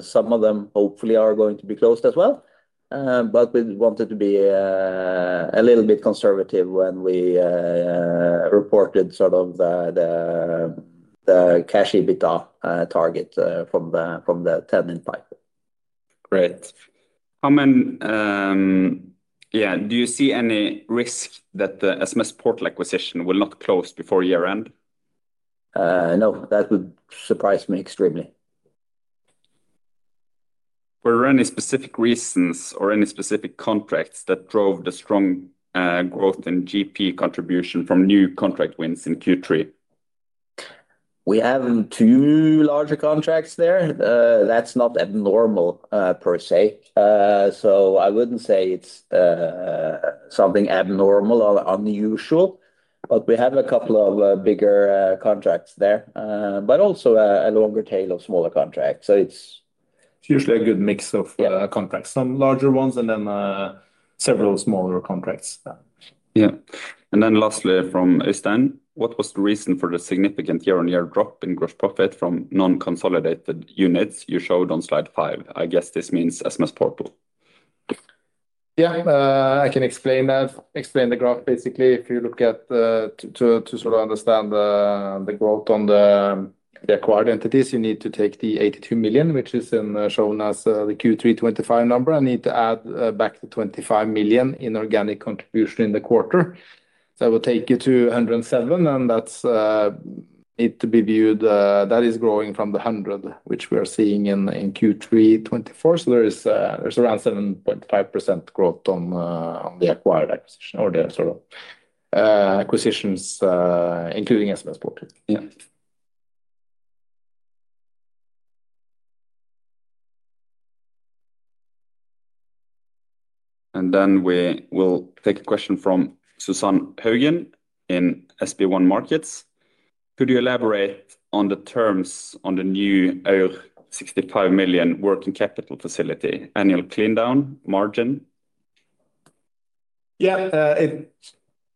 Speaker 2: Some of them hopefully are going to be closed as well, but we wanted to be a little bit conservative when we reported the cash EBITDA target from the 10 in pipe.
Speaker 1: Great. Do you see any risk that the SMS Portal acquisition will not close before year-end?
Speaker 2: No, that would surprise me extremely.
Speaker 1: Were there any specific reasons or any specific contracts that drove the strong growth in GP contribution from new contract wins in Q3?
Speaker 2: We have two larger contracts there. That's not abnormal, per se. I would not say it's something abnormal or unusual, but we have a couple of bigger contracts there, but also a longer tail of smaller contracts.
Speaker 3: It's usually a good mix of contracts, some larger ones and then several smaller contracts.
Speaker 2: Yeah.
Speaker 1: Lastly from Øystein, what was the reason for the significant year-on-year drop in gross profit from non-consolidated units you showed on slide five? I guess this means SMS Portal.
Speaker 3: I can explain that, explain the graph basically. If you look at, to sort of understand the growth on the acquired entities, you need to take the 82 million, which is shown as the Q3 2025 number, and add back the 25 million in organic contribution in the quarter. I will take you to 107 million, and that's, need to be viewed, that is growing from the 100 million, which we are seeing in in Q3 2024. There is around 7.5% growth on the acquired acquisition or the sort of acquisitions, including SMS Portal.
Speaker 1: Yeah. Then we will take a question from Susann Haugen in SB1 Markets. Could you elaborate on the terms on the new 65 million working capital facility annual clean down margin?
Speaker 3: Yeah, it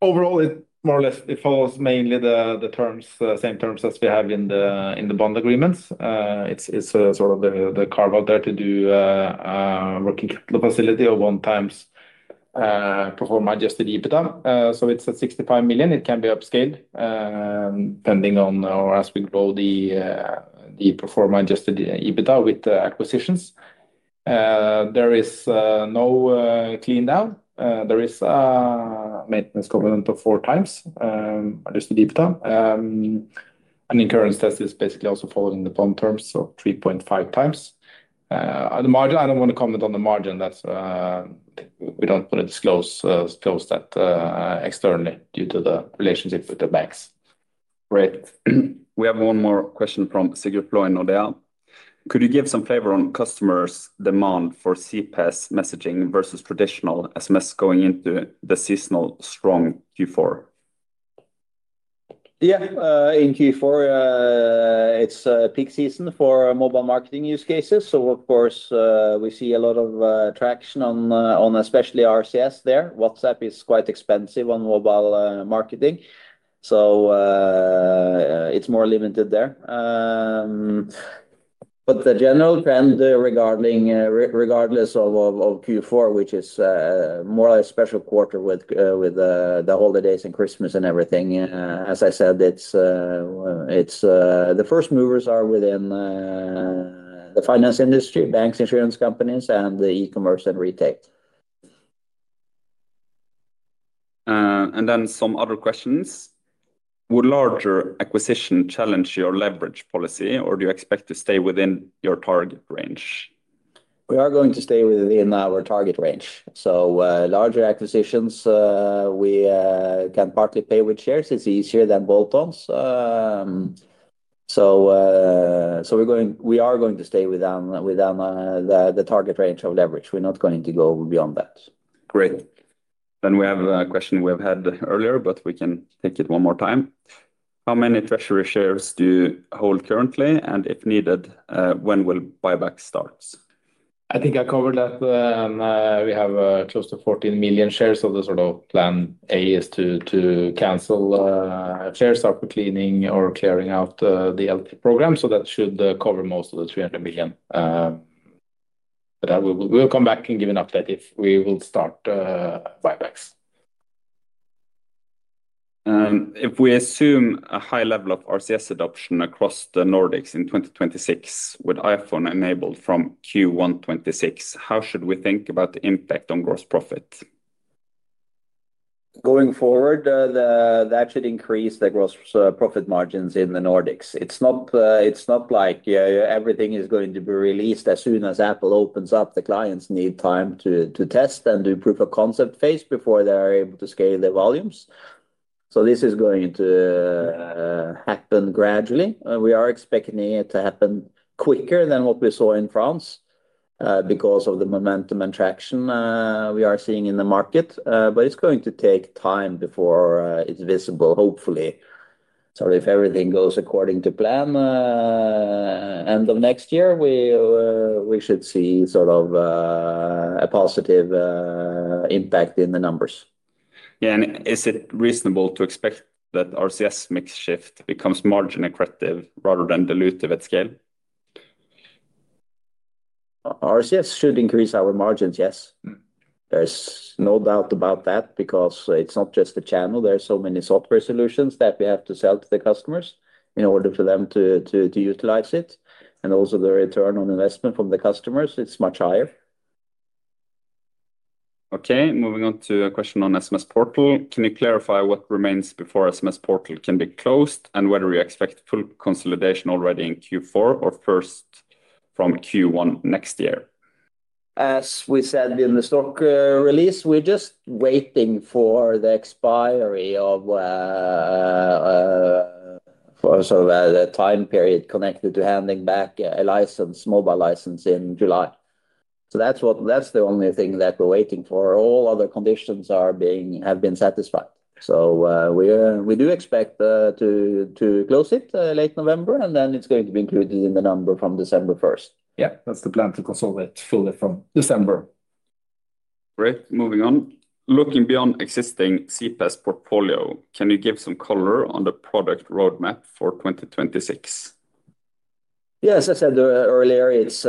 Speaker 3: overall, it more or less, it follows mainly the same terms as we have in the bond agreements. It's a sort of the carve out there to do working capital facility or 1x pro forma adjusted EBITDA. So it's at 65 million. It can be upscaled, depending on or as we grow the pro forma adjusted EBITDA with the acquisitions. There is no clean down. There is a maintenance covenant of 4x adjusted EBITDA. In current status, it is basically also following the bond terms of 3.5x. The margin, I do not want to comment on the margin. That is, we do not want to disclose that externally due to the relationship with the banks.
Speaker 1: Great. We have one more question from Sigurd Flaa, Nordea. Could you give some flavor on customers' demand for CPaaS messaging versus traditional SMS going into the seasonal strong Q4?
Speaker 2: Yeah, in Q4, it is a peak season for mobile marketing use cases. Of course, we see a lot of traction on especially RCS there. WhatsApp is quite expensive on mobile marketing, so it is more limited there. The general trend, regardless of Q4, which is more like a special quarter with the holidays and Christmas and everything, as I said, the first movers are within the finance industry, banks, insurance companies, and the e-commerce and retail.
Speaker 1: Would larger acquisition challenge your leverage policy, or do you expect to stay within your target range?
Speaker 2: We are going to stay within our target range. Larger acquisitions, we can partly pay with shares. It is easier than bolt-ons. We are going to stay within the target range of leverage. We are not going to go beyond that.
Speaker 1: Great. We have a question we have had earlier, but we can take it one more time. How many treasury shares do you hold currently, and if needed, when will buyback start?
Speaker 3: I think I covered that, we have close to 14 million shares. The sort of plan A is to cancel shares after cleaning or clearing out the LT program. That should cover most of the 300 million. We will come back and give an update if we will start buybacks.
Speaker 1: If we assume a high level of RCS adoption across the Nordics in 2026 with iPhone enabled from Q1 2026, how should we think about the impact on gross profit?
Speaker 2: Going forward, that should increase the gross profit margins in the Nordics. It is not like everything is going to be released as soon as Apple opens up. The clients need time to test and do a proof of concept phase before they are able to scale the volumes. This is going to happen gradually. We are expecting it to happen quicker than what we saw in France, because of the momentum and traction we are seeing in the market. It is going to take time before it is visible, hopefully. If everything goes according to plan, end of next year, we should see sort of a positive impact in the numbers.
Speaker 1: Yeah. Is it reasonable to expect that RCS mix shift becomes margin accretive rather than dilutive at scale?
Speaker 2: RCS should increase our margins, yes. There is no doubt about that because it is not just the channel. There are so many software solutions that we have to sell to the customers in order for them to utilize it. Also, the return on investment from the customers is much higher.
Speaker 1: Okay. Moving on to a question on SMS Portal. Can you clarify what remains before SMS Portal can be closed and whether you expect full consolidation already in Q4 or first from Q1 next year?
Speaker 2: As we said in the stock release, we're just waiting for the expiry of, for sort of a time period connected to handing back a license, mobile license in July. That's the only thing that we're waiting for. All other conditions have been satisfied. We do expect to close it late November, and then it's going to be included in the number from December 1st.
Speaker 3: Yeah, that's the plan to consolidate fully from December.
Speaker 1: Great. Moving on. Looking beyond existing CPaaS portfolio, can you give some color on the product roadmap for 2026?
Speaker 2: Yeah, as I said earlier, it's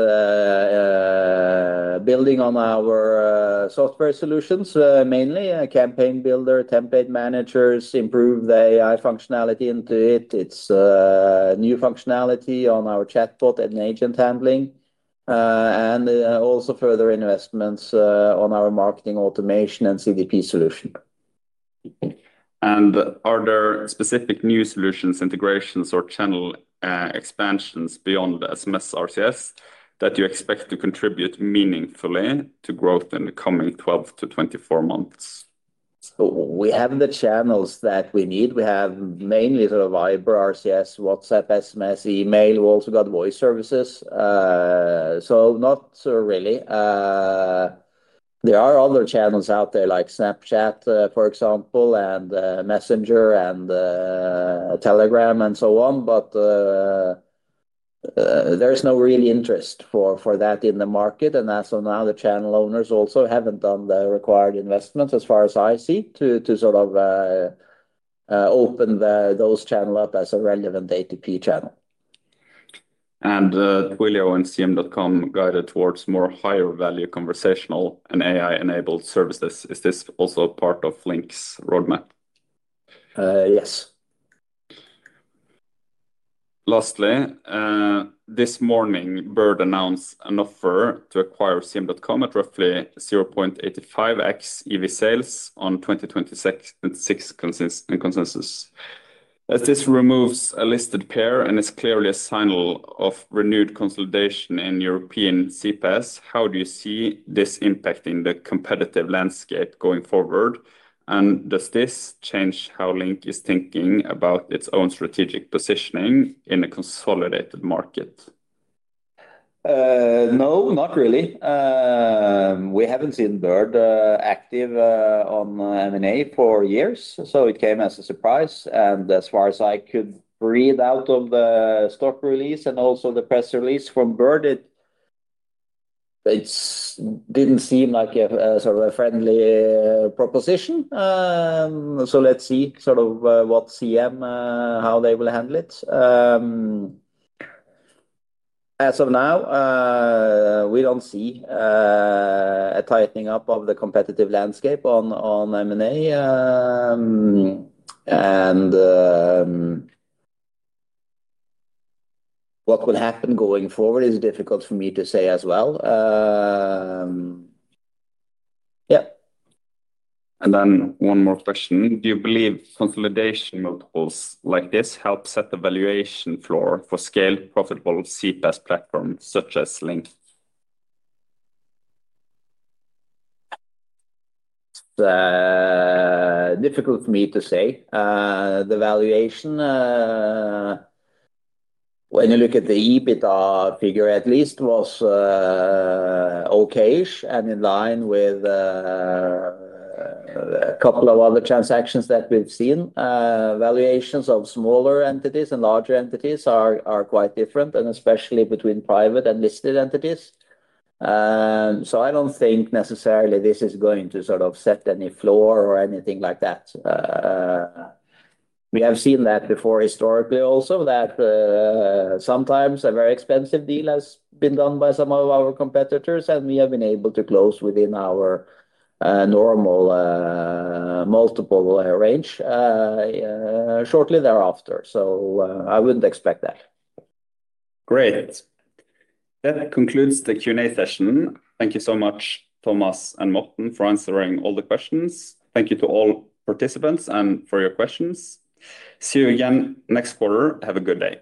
Speaker 2: building on our software solutions, mainly campaign builder, template managers, improve the AI functionality into it. It's new functionality on our chatbot and agent handling, and also further investments on our marketing automation and CDP solution.
Speaker 1: Are there specific new solutions, integrations, or channel expansions beyond the SMS, RCS that you expect to contribute meaningfully to growth in the coming 12 to 24 months?
Speaker 2: We have the channels that we need. We have mainly sort of Viber, RCS, WhatsApp, SMS, email. We've also got voice services. Not really. There are other channels out there like Snapchat, for example, and Messenger and Telegram and so on. There's no real interest for that in the market. As of now, the channel owners also haven't done the required investments as far as I see to sort of open those channels up as a relevant A2P channel.
Speaker 1: Twilio and CM.com guided towards more higher value conversational and AI-enabled services. Is this also part of LINK's roadmap?
Speaker 2: Yes.
Speaker 1: Lastly, this morning, Baird announced an offer to acquire CM.com at roughly 0.85x EV sales on 2026 consensus. As this removes a listed peer and is clearly a signal of renewed consolidation in European CPaaS, how do you see this impacting the competitive landscape going forward? And does this change how LINK is thinking about its own strategic positioning in a consolidated market?
Speaker 2: No, not really. We have not seen Baird active on M&A for years. It came as a surprise. As far as I could read out of the stock release and also the press release from Baird, it did not seem like a sort of a friendly proposition. Let's see what CM.com, how they will handle it. As of now, we do not see a tightening up of the competitive landscape on M&A. What will happen going forward is difficult for me to say as well. Yeah.
Speaker 1: And then one more question. Do you believe consolidation multiples like this help set the valuation floor for scaled profitable CPaaS platforms such as LINK? It's difficult for me to say. The valuation, when you look at the EBITDA figure at least, was okay and in line with a couple of other transactions that we've seen. Valuations of smaller entities and larger entities are quite different, and especially between private and listed entities. I do not think necessarily this is going to sort of set any floor or anything like that. We have seen that before historically also, that sometimes a very expensive deal has been done by some of our competitors, and we have been able to close within our normal multiple range shortly thereafter. I would not expect that. Great. That concludes the Q&A session. Thank you so much, Thomas and Morten, for answering all the questions. Thank you to all participants and for your questions. See you again next quarter. Have a good day.